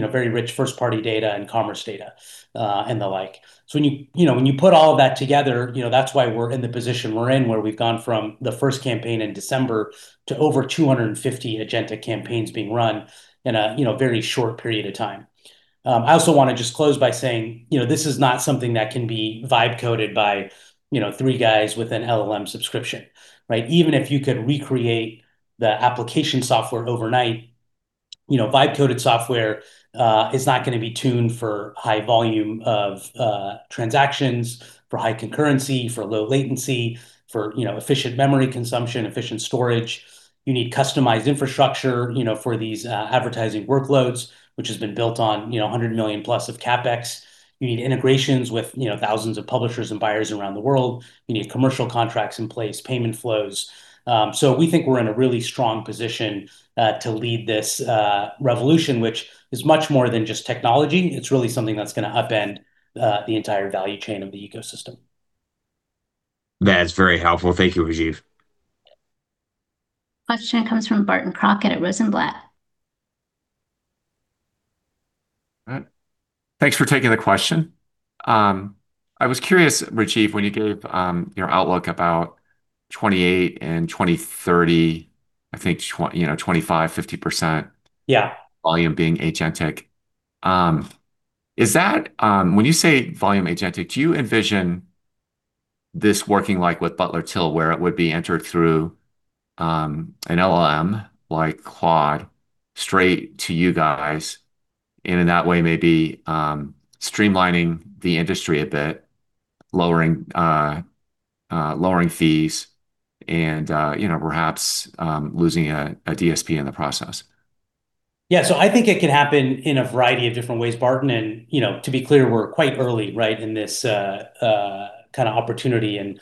Speaker 3: know, very rich first-party data and commerce data, and the like. When you know, when you put all that together, you know, that's why we're in the position we're in, where we've gone from the first campaign in December to over 250 Agentic campaigns being run in a, you know, very short period of time. I also wanna just close by saying, you know, this is not something that can be vibe coded by, you know, three guys with an LLM subscription, right? Even if you could recreate the application software overnight. You know, vibe-coded software, is not going to be tuned for high volume of transactions, for high concurrency, for low latency, for, you know, efficient memory consumption, efficient storage. You need customized infrastructure, you know, for these advertising workloads, which has been built on, you know, $100 million plus of CapEx. You need integrations with, you know, thousands of publishers and buyers around the world. You need commercial contracts in place, payment flows. We think we're in a really strong position, to lead this revolution, which is much more than just technology. It's really something that's going to upend the entire value chain of the ecosystem.
Speaker 6: That is very helpful. Thank you, Rajeev.
Speaker 1: Question comes from Barton Crockett at Rosenblatt.
Speaker 7: All right. Thanks for taking the question. I was curious, Rajeev, when you gave your outlook about 28 and 2030, I think you know, 25, 50%.
Speaker 3: Yeah...
Speaker 7: volume being agentic. Is that, when you say volume agentic, do you envision this working like with Butler/Till, where it would be entered through an LLM, like Claude, straight to you guys, and in that way, maybe, streamlining the industry a bit, lowering fees and, you know, perhaps, losing a DSP in the process?
Speaker 3: I think it can happen in a variety of different ways, Barton. You know, to be clear, we're quite early, right, in this kind of opportunity and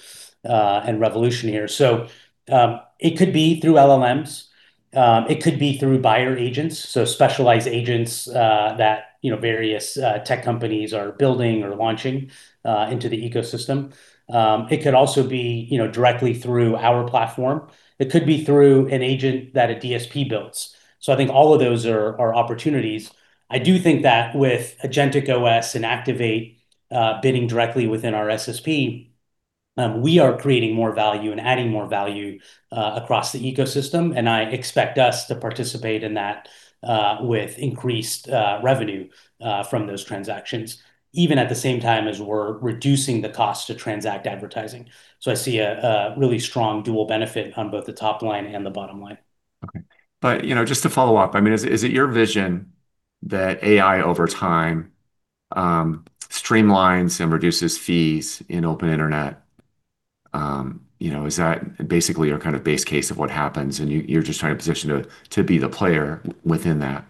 Speaker 3: revolution here. It could be through LLMs. It could be through buyer agents, so specialized agents that, you know, various tech companies are building or launching into the ecosystem. It could also be, you know, directly through our platform. It could be through an agent that a DSP builds. I think all of those are opportunities. I do think that with Agentic OS and Activate, bidding directly within our SSP, we are creating more value and adding more value across the ecosystem, and I expect us to participate in that with increased revenue from those transactions, even at the same time as we're reducing the cost to transact advertising. I see a really strong dual benefit on both the top line and the bottom line.
Speaker 7: Okay. You know, just to follow up, I mean, is it your vision that AI, over time, streamlines and reduces fees in open internet? You know, is that basically your kind of base case of what happens, and you're just trying to position to be the player within that?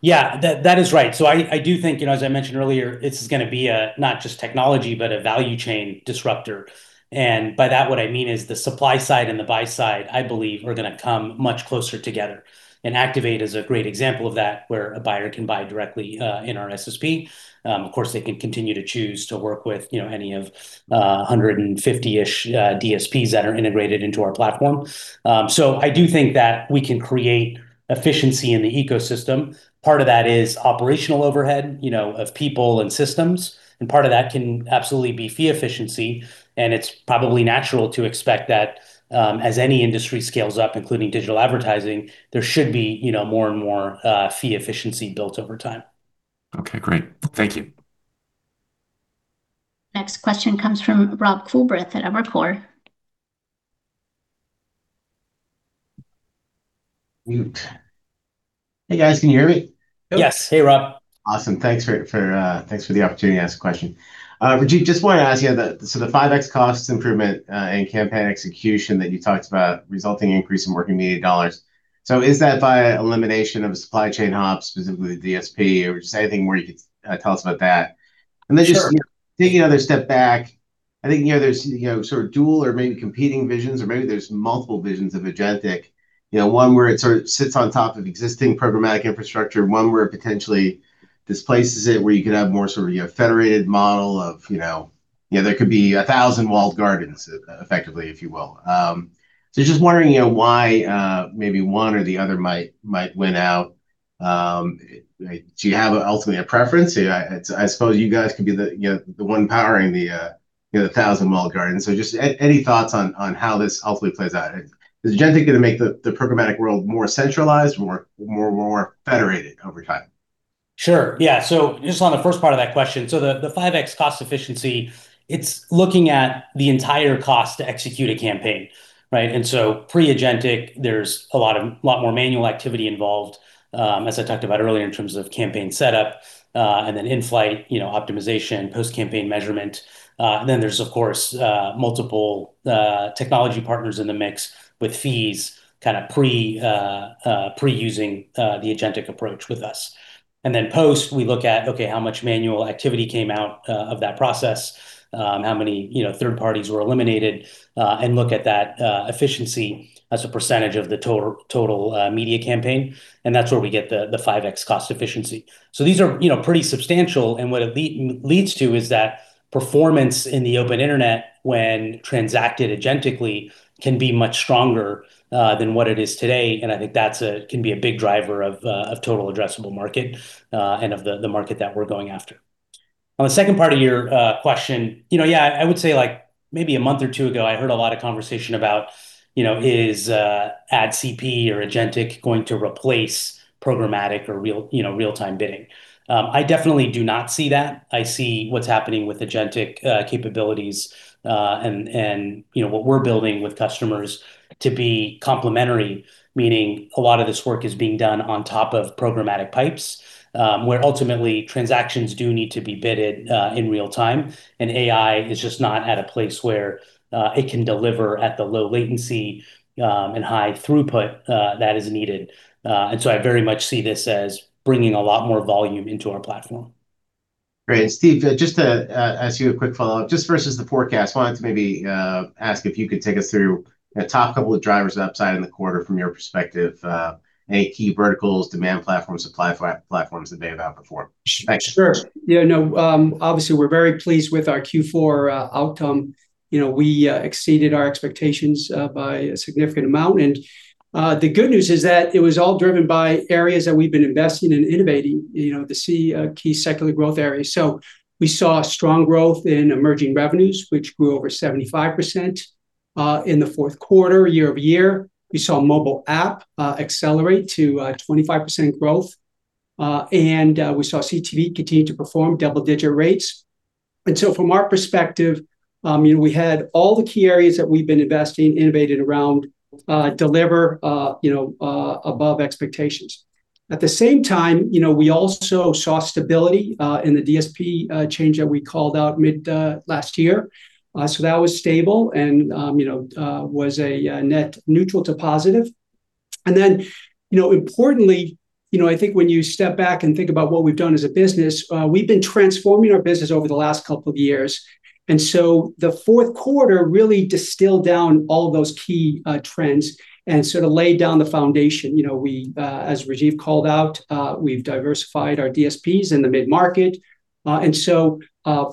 Speaker 3: Yeah, that is right. I do think, you know, as I mentioned earlier, this is going to be a, not just technology, but a value chain disruptor. By that, what I mean is the supply side and the buy side, I believe, are going to come much closer together. Activate is a great example of that, where a buyer can buy directly in our SSP. Of course, they can continue to choose to work with, you know, any of 150-ish DSPs that are integrated into our platform. I do think that we can create efficiency in the ecosystem. Part of that is operational overhead, you know, of people and systems, and part of that can absolutely be fee efficiency. It's probably natural to expect that, as any industry scales up, including digital advertising, there should be, you know, more and more fee efficiency built over time.
Speaker 7: Okay, great. Thank you.
Speaker 1: Next question comes from Rob Culbreth at Evercore.
Speaker 8: Mute. Hey, guys, can you hear me?
Speaker 3: Yes. Hey, Rob.
Speaker 8: Awesome. Thanks for the opportunity to ask a question. Rajeev, just wanted to ask you, the 5x costs improvement, and campaign execution that you talked about, resulting increase in working media dollars, is that via elimination of supply chain hops, specifically the DSP, or just anything more you could, tell us about that?
Speaker 3: Sure.
Speaker 8: Just taking another step back, I think, you know, there's, you know, sort of dual or maybe competing visions, or maybe there's multiple visions of agentic. You know, one where it sort of sits on top of existing programmatic infrastructure, one where it potentially displaces it, where you could have more sort of a federated model of, you know. You know, there could be 1,000 walled gardens, effectively, if you will. Just wondering, you know, why maybe one or the other might win out. Do you have ultimately a preference? I suppose you guys could be the, you know, the one powering the, you know, the 1,000 walled gardens. Any thoughts on how this ultimately plays out? Is agentic going to make the programmatic world more centralized, more federated over time?
Speaker 3: Sure, yeah. Just on the first part of that question, the 5x cost efficiency, it's looking at the entire cost to execute a campaign, right? Pre-agentic, there's a lot more manual activity involved, as I talked about earlier, in terms of campaign setup, in-flight, you know, optimization, post-campaign measurement. There's, of course, multiple technology partners in the mix with fees, kind of pre-using the agentic approach with us. Post, we look at, okay, how much manual activity came out of that process? How many, you know, third parties were eliminated? Look at that efficiency as a percentage of the total media campaign, and that's where we get the 5x cost efficiency. these are, you know, pretty substantial, and what it leads to is that performance in the open internet, when transacted agentically, can be much stronger than what it is today, and I think that can be a big driver of total addressable market and of the market that we're going after. On the second part of your question, you know, yeah, I would say, like, maybe a month or two ago, I heard a lot of conversation about, you know, is AdCP or agentic going to replace programmatic or real, you know, real-time bidding? I definitely do not see that. I see what's happening with agentic capabilities and, you know, what we're building with customers... to be complementary, meaning a lot of this work is being done on top of programmatic pipes, where ultimately transactions do need to be bidded, in real time. AI is just not at a place where it can deliver at the low latency, and high throughput that is needed. I very much see this as bringing a lot more volume into our platform.
Speaker 8: Great. Steve, just to ask you a quick follow-up, just versus the forecast, wanted to maybe ask if you could take us through the top couple of drivers of upside in the quarter from your perspective, any key verticals, demand platforms, supply platforms that may have outperformed? Thanks.
Speaker 4: Sure. Yeah, no, obviously, we're very pleased with our Q4 outcome. You know, we exceeded our expectations by a significant amount, and the good news is that it was all driven by areas that we've been investing in and innovating, you know, to see key secular growth areas. We saw strong growth in emerging revenues, which grew over 75% in the fourth quarter, year-over-year. We saw mobile app accelerate to 25% growth, and we saw CTV continue to perform double-digit rates. From our perspective, you know, we had all the key areas that we've been investing, innovating around, deliver, above expectations. At the same time, you know, we also saw stability in the DSP change that we called out mid-last year. That was stable and, you know, was a net neutral to positive. You know, importantly, you know, I think when you step back and think about what we've done as a business, we've been transforming our business over the last couple of years. The fourth quarter really distilled down all those key trends and sort of laid down the foundation. You know, we, as Rajeev called out, we've diversified our DSPs in the mid-market, and so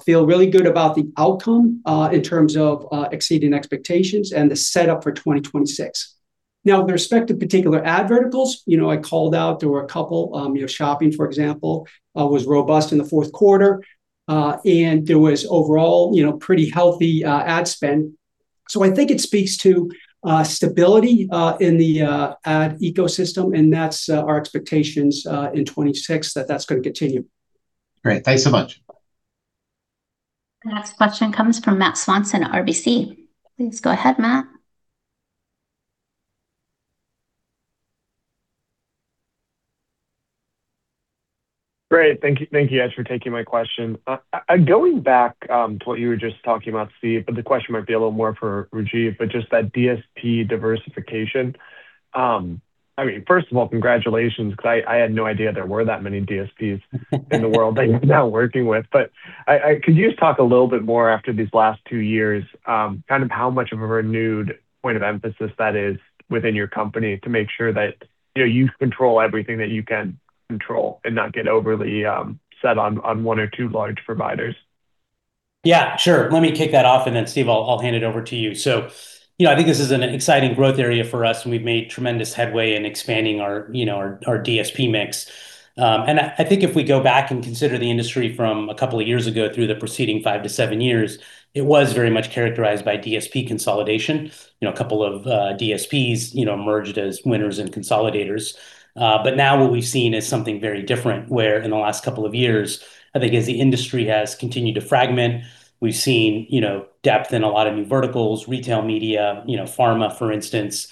Speaker 4: feel really good about the outcome, in terms of exceeding expectations and the setup for 2026. Now, with respect to particular ad verticals, you know, I called out there were a couple. You know, shopping, for example, was robust in the fourth quarter, and there was overall, you know, pretty healthy ad spend. I think it speaks to stability in the ad ecosystem, and that's our expectations in 2026, that that's going to continue.
Speaker 8: Great. Thanks so much.
Speaker 1: The next question comes from Matt Swanson, RBC. Please go ahead, Matt.
Speaker 9: Great. Thank you. Thank you guys for taking my question. Going back to what you were just talking about, Steve, the question might be a little more for Rajeev, just that DSP diversification. I mean, first of all, congratulations, because I had no idea there were that many DSPs in the world that you're now working with. Could you just talk a little bit more after these last two years, kind of how much of a renewed point of emphasis that is within your company to make sure that, you know, you control everything that you can control and not get overly set on one or two large providers?
Speaker 3: Yeah, sure. Let me kick that off, and then, Steve, I'll hand it over to you. You know, I think this is an exciting growth area for us, and we've made tremendous headway in expanding our, you know, our DSP mix. And I think if we go back and consider the industry from a couple of years ago through the preceding 5–7 years, it was very much characterized by DSP consolidation. You know, a couple of DSPs, you know, emerged as winners and consolidators. But now what we've seen is something very different, where in the last couple of years, I think as the industry has continued to fragment, we've seen, you know, depth in a lot of new verticals, retail media, you know, pharma, for instance.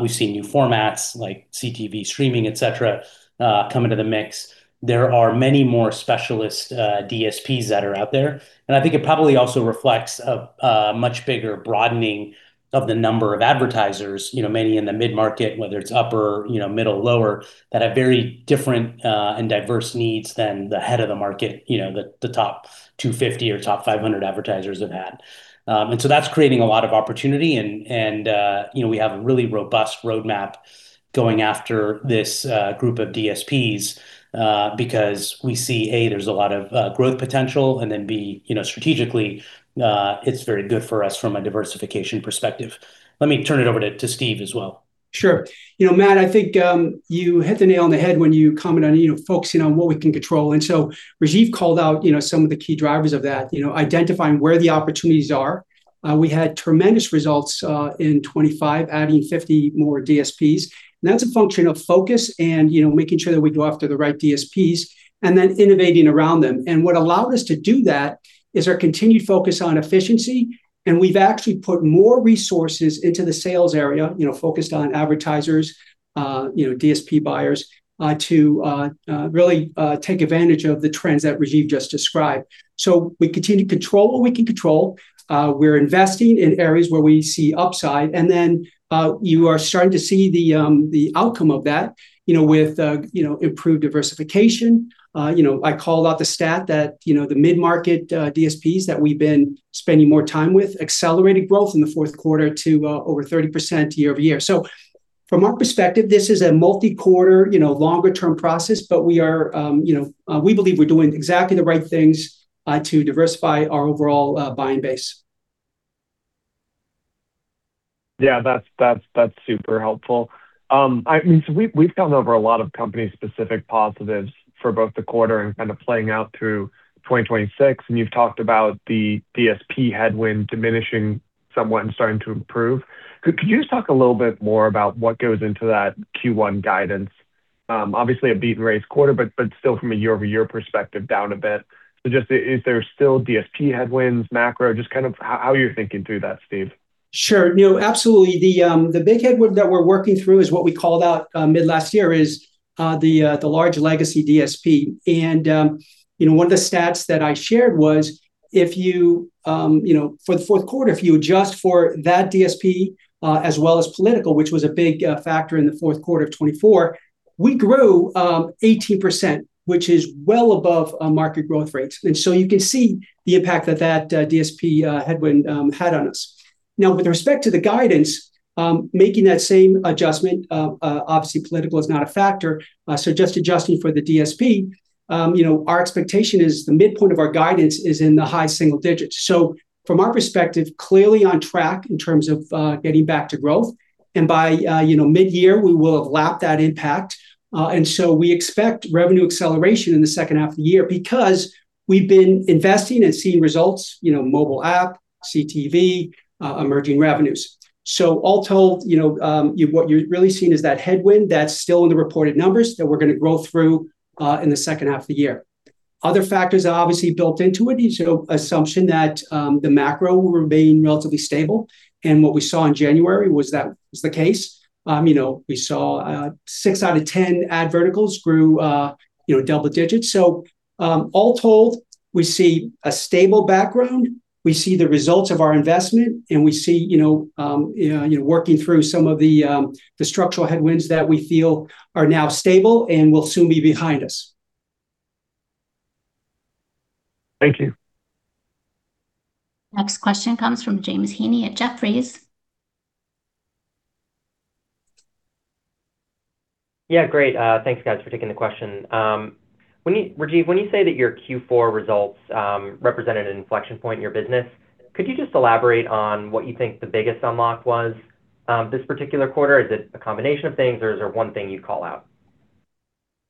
Speaker 3: We've seen new formats like CTV streaming, et cetera, come into the mix. There are many more specialist DSPs that are out there. I think it probably also reflects a much bigger broadening of the number of advertisers, you know, many in the mid-market, whether it's upper, you know, middle, lower, that have very different and diverse needs than the head of the market, you know, the top 250 or top 500 advertisers have had. That's creating a lot of opportunity, and, you know, we have a really robust roadmap going after this group of DSPs because we see A, there's a lot of growth potential, B, you know, strategically, it's very good for us from a diversification perspective. Let me turn it over to Steve as well.
Speaker 4: Sure. You know, Matt, I think, you hit the nail on the head when you commented on, you know, focusing on what we can control. Rajeev called out, you know, some of the key drivers of that. You know, identifying where the opportunities are. We had tremendous results in 25, adding 50 more DSPs, and that's a function of focus and, you know, making sure that we go after the right DSPs and then innovating around them. What allowed us to do that is our continued focus on efficiency, and we've actually put more resources into the sales area, you know, focused on advertisers, you know, DSP buyers, to really take advantage of the trends that Rajeev just described. We continue to control what we can control. We're investing in areas where we see upside, and then, you are starting to see the outcome of that, you know, with, you know, improved diversification. You know, I called out the stat that, you know, the mid-market, DSPs that we've been spending more time with accelerated growth in the fourth quarter to over 30% year-over-year. From our perspective, this is a multi-quarter, you know, longer-term process, but we are, you know, we believe we're doing exactly the right things, to diversify our overall, buying base.
Speaker 9: Yeah, that's super helpful. I mean, we've gone over a lot of company-specific positives for both the quarter and kind of playing out through 2026, and you've talked about the DSP headwind diminishing somewhat and starting to improve. Could you just talk a little bit more about what goes into that Q1 guidance? Obviously a beaten race quarter, but still from a year-over-year perspective, down a bit. Just, is there still DSP headwinds, macro? Just kind of how are you thinking through that, Steve?
Speaker 4: Sure. No, absolutely. The big headwind that we're working through is what we called out mid-last year, is the large legacy DSP. You know, one of the stats that I shared was if you know, for the fourth quarter, if you adjust for that DSP, as well as political, which was a big factor in the fourth quarter of 2024, we grew 18%, which is well above market growth rates. So you can see the impact that DSP headwind had on us. Now, with respect to the guidance, making that same adjustment, obviously political is not a factor, so just adjusting for the DSP, you know, our expectation is the midpoint of our guidance is in the high single digits. From our perspective, clearly on track in terms of getting back to growth. By, you know, midyear, we will have lapped that impact. We expect revenue acceleration in the second half of the year because we've been investing and seeing results, you know, mobile app, CTV, emerging revenues. All told, you know, what you're really seeing is that headwind that's still in the reported numbers that we're going to grow through in the second half of the year. Other factors are obviously built into it. You know, assumption that the macro will remain relatively stable. What we saw in January was that was the case. You know, we saw 6 out of 10 ad verticals grew, you know, double digits. All told, we see a stable background. We see the results of our investment, and we see, you know, you know, working through some of the structural headwinds that we feel are now stable and will soon be behind us.
Speaker 9: Thank you.
Speaker 1: Next question comes from James Heaney at Jefferies.
Speaker 10: Yeah, great. Thanks, guys, for taking the question. Rajeev, when you say that your Q4 results represented an inflection point in your business, could you just elaborate on what you think the biggest unlock was, this particular quarter? Is it a combination of things, or is there one thing you'd call out?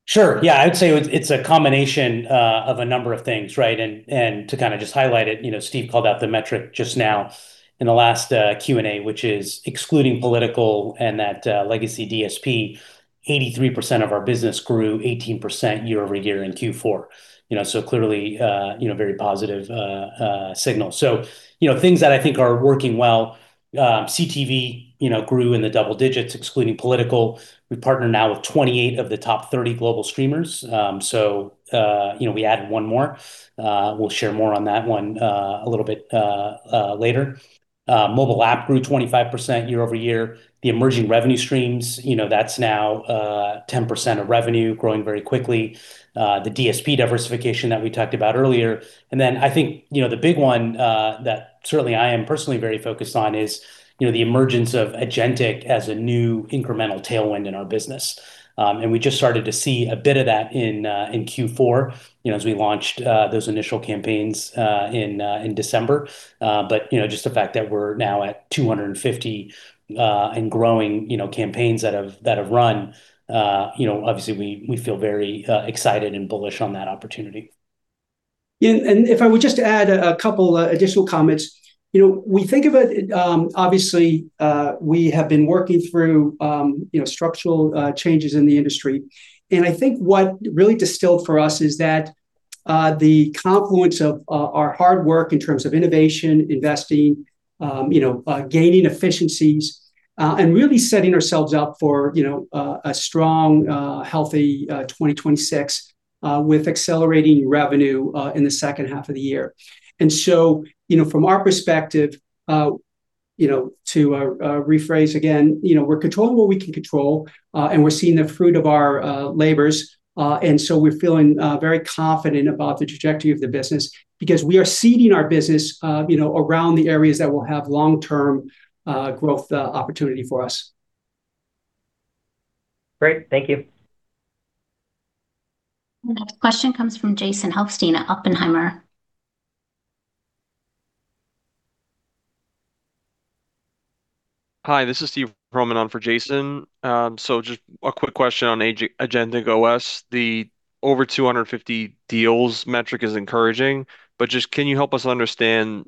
Speaker 3: Sure. Yeah, I'd say it's a combination of a number of things, right? To kind of just highlight it, you know, Steve called out the metric just now in the last Q&A, which is excluding political and that legacy DSP, 83% of our business grew 18% year-over-year in Q4. You know, clearly, you know, very positive signal. You know, things that I think are working well, CTV, you know, grew in the double digits, excluding political. We partner now with 28 of the top 30 global streamers. You know, we added one more. We'll share more on that one, a little bit later. Mobile app grew 25% year-over-year. The emerging revenue streams, you know, that's now 10% of revenue growing very quickly. The DSP diversification that we talked about earlier. Then I think, you know, the big one that certainly I am personally very focused on is, you know, the emergence of agentic as a new incremental tailwind in our business. We just started to see a bit of that in Q4, you know, as we launched those initial campaigns in December. You know, just the fact that we're now at 250 and growing, you know, campaigns that have run, you know, obviously we feel very excited and bullish on that opportunity.
Speaker 4: Yeah, if I would just add a couple additional comments. You know, we think of it, obviously, we have been working through, you know, structural changes in the industry. I think what really distilled for us is that the confluence of our hard work in terms of innovation, investing, you know, gaining efficiencies, and really setting ourselves up for, you know, a strong, healthy 2026, with accelerating revenue in the second half of the year. You know, from our perspective, you know, to rephrase again, you know, we're controlling what we can control, and we're seeing the fruit of our labors. We're feeling very confident about the trajectory of the business because we are seeding our business, you know, around the areas that will have long-term growth opportunity for us.
Speaker 10: Great. Thank you.
Speaker 1: The next question comes from Jason Helfstein at Oppenheimer.
Speaker 11: Hi, this is Steve Roman on for Jason. Just a quick question on Agentic OS. The over 250 deals metric is encouraging, but just can you help us understand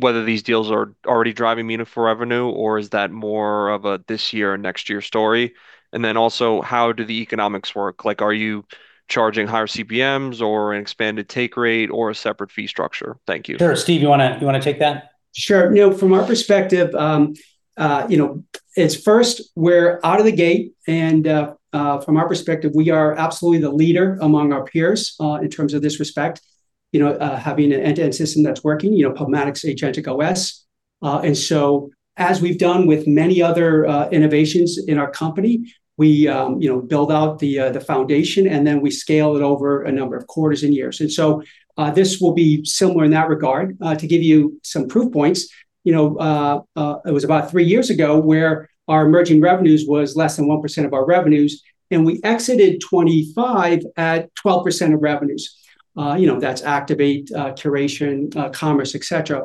Speaker 11: whether these deals are already driving meaningful revenue, or is that more of a this year and next year story? Also, how do the economics work? Like, are you charging higher CPMs or an expanded take rate or a separate fee structure? Thank you.
Speaker 3: Sure. Steve, you wanna take that?
Speaker 4: Sure. You know, from our perspective, you know, it's first, we're out of the gate, and from our perspective, we are absolutely the leader among our peers, in terms of this respect. You know, having an end-to-end system that's working, you know, PubMatic's Agentic OS. As we've done with many other innovations in our company, we, you know, build out the foundation, and then we scale it over a number of quarters and years. This will be similar in that regard. To give you some proof points, you know, it was about three years ago where our emerging revenues was less than 1% of our revenues, and we exited 2025 at 12% of revenues. You know, that's Activate, curation, Commerce, et cetera.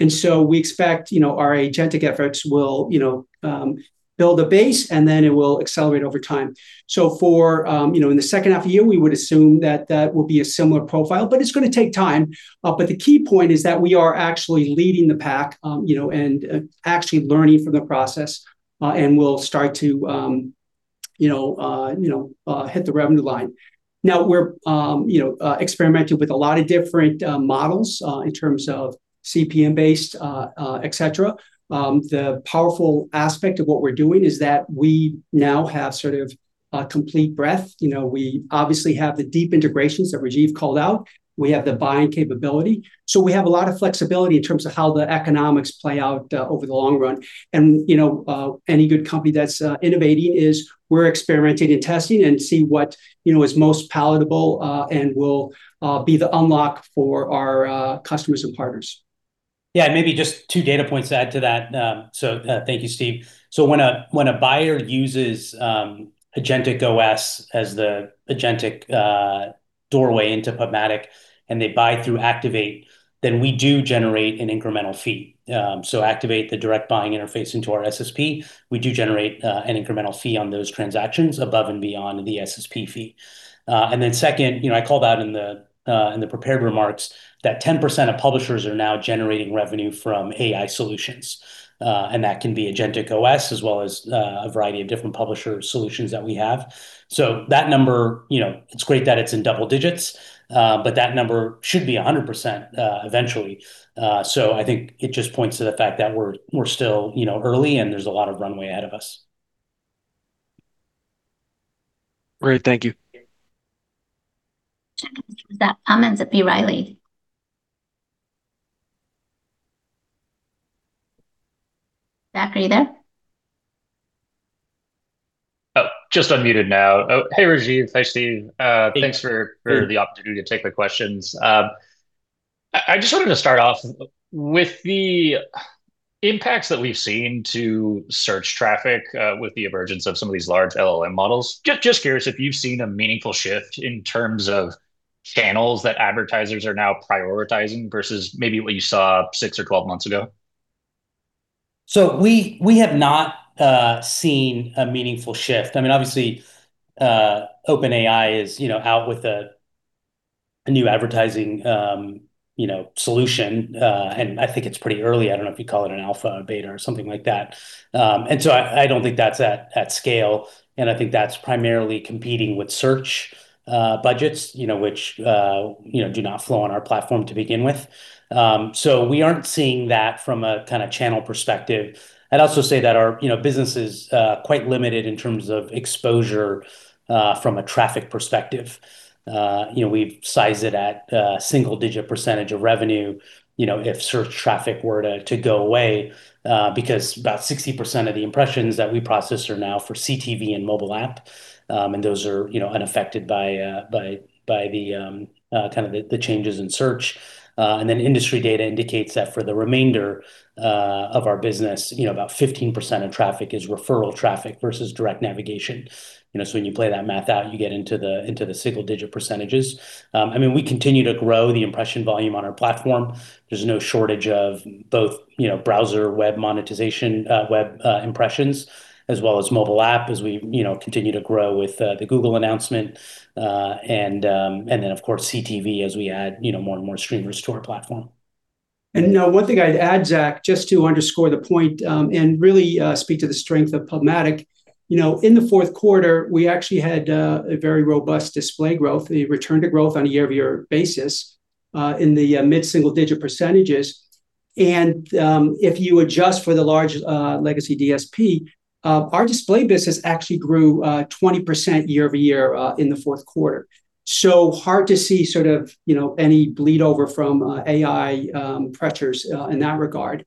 Speaker 4: We expect, you know, our agentic efforts will, you know, build a base, and then it will accelerate over time. For, you know, in the second half of the year, we would assume that that will be a similar profile, but it's going to take time. But the key point is that we are actually leading the pack, you know, and actually learning from the process, and we'll start to, you know, hit the revenue line. Now we're, you know, experimenting with a lot of different models, in terms of CPM-based, et cetera. The powerful aspect of what we're doing is that we now have sort of a complete breadth. You know, we obviously have the deep integrations that Rajeev called out. We have the buying capability. We have a lot of flexibility in terms of how the economics play out, over the long run. You know, any good company that's innovating is we're experimenting and testing and see what, you know, is most palatable, and will be the unlock for our customers and partners.
Speaker 3: Yeah, maybe just two data points to add to that. Thank you, Steve. When a buyer uses Agentic OS as the Agentic doorway into PubMatic and they buy through Activate, then we do generate an incremental fee. Activate the direct buying interface into our SSP. We do generate an incremental fee on those transactions above and beyond the SSP fee. Second, you know, I called out in the prepared remarks that 10% of publishers are now generating revenue from AI solutions. That can be Agentic OS as well as a variety of different publisher solutions that we have. That number, you know, it's great that it's in double digits, but that number should be 100% eventually. I think it just points to the fact that we're still, you know, early and there's a lot of runway ahead of us.
Speaker 1: Great. Thank you. Checking that. Amanda B. Riley. Zach, are you there?
Speaker 12: Oh, just unmuted now. Oh, hey, Rajeev. Hi, Steve.
Speaker 3: Hey...
Speaker 12: thanks for the opportunity to take the questions. I just wanted to start off with the impacts that we've seen to search traffic with the emergence of some of these large LLM models. Just curious if you've seen a meaningful shift in terms of channels that advertisers are now prioritizing versus maybe what you saw 6 or 12 months ago.
Speaker 3: We have not seen a meaningful shift. I mean, obviously, OpenAI is, you know, out with a new advertising, you know, solution. I think it's pretty early. I don't know if you call it an alpha, a beta or something like that. I don't think that's at scale, and I think that's primarily competing with search budgets, you know, which, you know, do not flow on our platform to begin with. We aren't seeing that from a kind of channel perspective. I'd also say that our, you know, business is quite limited in terms of exposure from a traffic perspective. You know, we've sized it at a single-digit percentage of revenue, you know, if search traffic were to go away, because about 60% of the impressions that we process are now for CTV and mobile app, and those are, you know, unaffected by the changes in search. Industry data indicates that for the remainder of our business, you know, about 15% of traffic is referral traffic versus direct navigation. When you play that math out, you get into the single-digit percentages. I mean, we continue to grow the impression volume on our platform. There's no shortage of both, you know, browser web monetization, web impressions, as well as mobile app as we, you know, continue to grow with the Google announcement. Of course, CTV as we add, you know, more and more streamers to our platform.
Speaker 4: One thing I'd add, Zach, just to underscore the point, and really speak to the strength of PubMatic. You know, in the fourth quarter, we actually had a very robust display growth, a return to growth on a year-over-year basis, in the mid-single-digit percentage. If you adjust for the large, legacy DSP, our display business actually grew 20% year-over-year in the fourth quarter. Hard to see sort of, you know, any bleed over from AI pressures in that regard.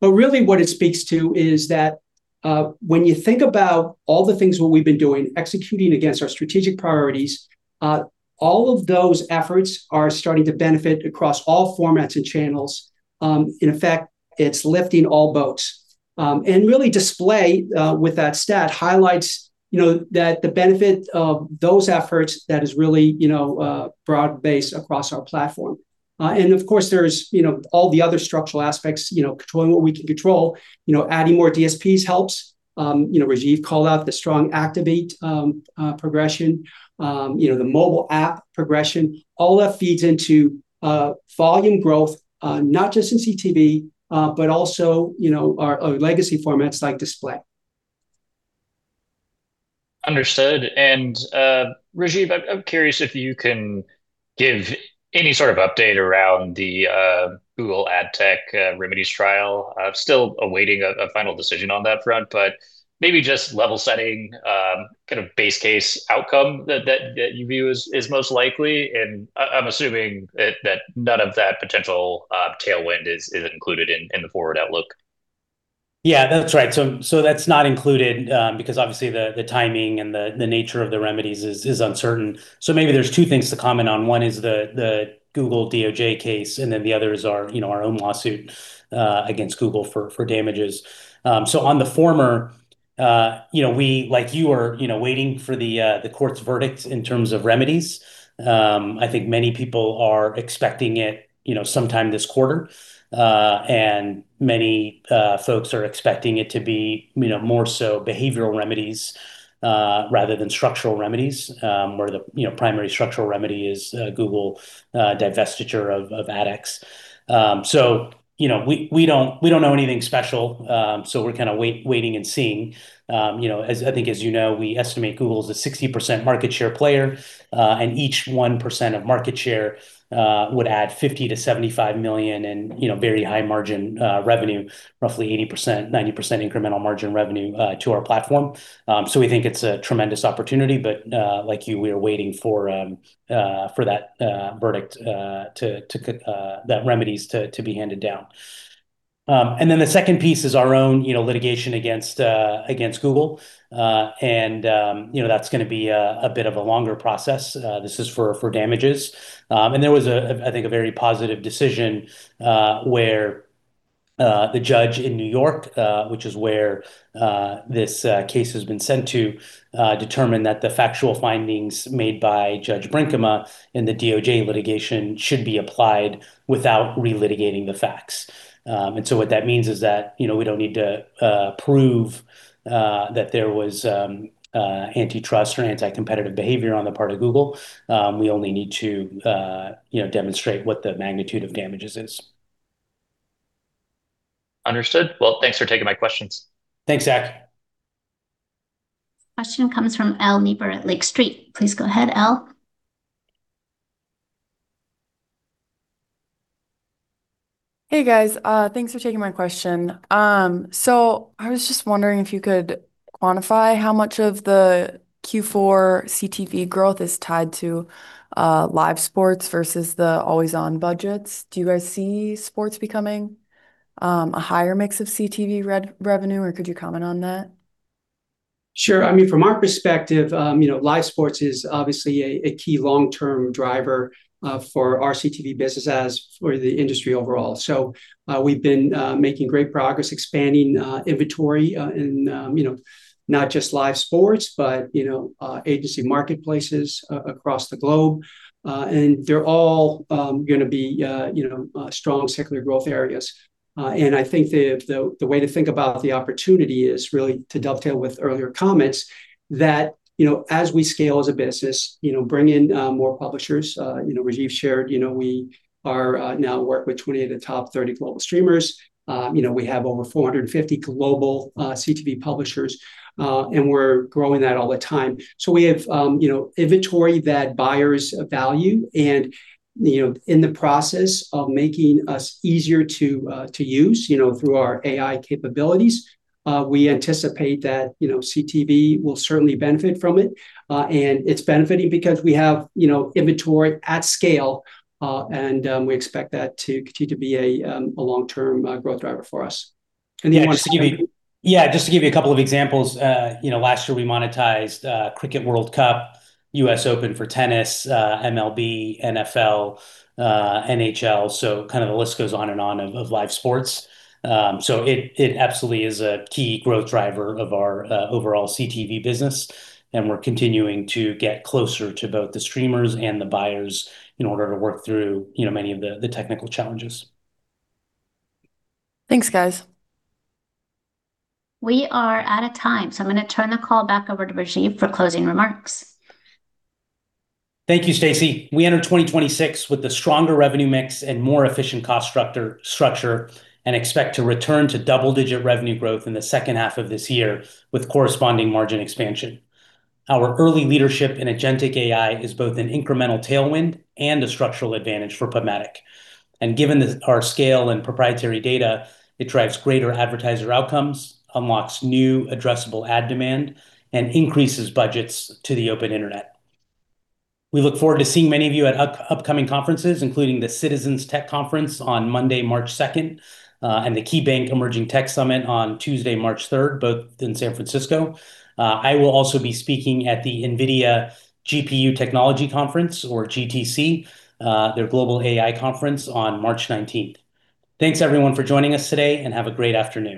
Speaker 4: What it speaks to is that when you think about all the things that we've been doing, executing against our strategic priorities, all of those efforts are starting to benefit across all formats and channels. In effect, it's lifting all boats. Really display, with that stat highlights, you know, that the benefit of those efforts that is really, you know, broad-based across our platform. Of course there's, you know, all the other structural aspects, you know, controlling what we can control. You know, adding more DSPs helps. You know, Rajeev called out the strong Activate, progression, you know, the mobile app progression. All that feeds into, volume growth, not just in CTV, but also, you know, our legacy formats like display.
Speaker 12: Understood. Rajeev, I'm curious if you can give any sort of update around the Google Ad Tech remedies trial. Still awaiting a final decision on that front, but maybe just level setting kind of base-case outcome that you view is most likely. I'm assuming that none of that potential tailwind is included in the forward outlook.
Speaker 3: Yeah, that's right. That's not included, because obviously the timing and the nature of the remedies is uncertain. Maybe there's two things to comment on. One is the Google DOJ case, and then the other is our, you know, our own lawsuit against Google for damages. On the former, you know, we, like you are, you know, waiting for the court's verdict in terms of remedies. I think many people are expecting it, you know, sometime this quarter. Many folks are expecting it to be, you know, more so behavioral remedies, rather than structural remedies, where the, you know, primary structural remedy is Google divestiture of ADX. We don't know anything special. We're kind of waiting and seeing. You know, as I think as you know, we estimate Google's a 60% market share player, and each 1% of market share would add $50 million–$75 million in, you know, very high margin revenue, roughly 80%–90% incremental margin revenue to our platform. We think it's a tremendous opportunity, but, like you, we are waiting for that verdict to be handed down. The second piece is our own, you know, litigation against Google. You know, that's going to be a bit of a longer process. This is for damages. There was a, I think, a very positive decision where the judge in New York, which is where this case has been sent to determine that the factual findings made by Judge Brinkema in the DOJ litigation should be applied without re-litigating the facts. What that means is that, you know, we don't need to prove that there was antitrust or anti-competitive behavior on the part of Google. We only need to, you know, demonstrate what the magnitude of damages is. Understood. Well, thanks for taking my questions. Thanks, Zach.
Speaker 1: Question comes from Elle Niebuhr at Lake Street. Please go ahead, Elle.
Speaker 13: Hey, guys. Thanks for taking my question. I was just wondering if you could quantify how much of the Q4 CTV growth is tied to live sports versus the always-on budgets. Do you guys see sports becoming a higher mix of CTV revenue, or could you comment on that?
Speaker 4: Sure. I mean, from our perspective, you know, live sports is obviously a key long-term driver for our CTV business as for the industry overall. We've been making great progress expanding inventory and, you know, not just live sports, but, you know, agency marketplaces across the globe. They're all going to be, you know, strong secular growth areas. I think the way to think about the opportunity is really to dovetail with earlier comments that, you know, as we scale as a business, you know, bring in more publishers, you know, Rajeev shared, you know, we are now work with 20 of the top 30 global streamers. You know, we have over 450 global CTV publishers and we're growing that all the time. We have, you know, inventory that buyers value and, you know, in the process of making us easier to use, you know, through our AI capabilities, we anticipate that, you know, CTV will certainly benefit from it. It's benefiting because we have, you know, inventory at scale and we expect that to continue to be a long-term growth driver for us. Anything you wanna say?
Speaker 3: Just to give you a couple of examples, you know, last year we monetized Cricket World Cup, US Open for tennis, MLB, NFL, NHL, kind of the list goes on and on of live sports. It absolutely is a key growth driver of our overall CTV business, and we're continuing to get closer to both the streamers and the buyers in order to work through, you know, many of the technical challenges.
Speaker 13: Thanks, guys.
Speaker 1: We are out of time, so I'm going to turn the call back over to Rajeev for closing remarks.
Speaker 3: Thank you, Stacy. We enter 2026 with a stronger revenue mix and more efficient cost structure and expect to return to double-digit revenue growth in the second half of this year with corresponding margin expansion. Our early leadership in agentic AI is both an incremental tailwind and a structural advantage for PubMatic. Given our scale and proprietary data, it drives greater advertiser outcomes, unlocks new addressable ad demand, and increases budgets to the open internet. We look forward to seeing many of you at upcoming conferences, including the Citizens Technology Conference on Monday, March 2nd, and the KeyBanc Emerging Technology Summit on Tuesday, March 3rd, both in San Francisco. I will also be speaking at the NVIDIA GPU Technology Conference, or GTC, their global AI conference on March 19th. Thanks everyone for joining us today, and have a great afternoon.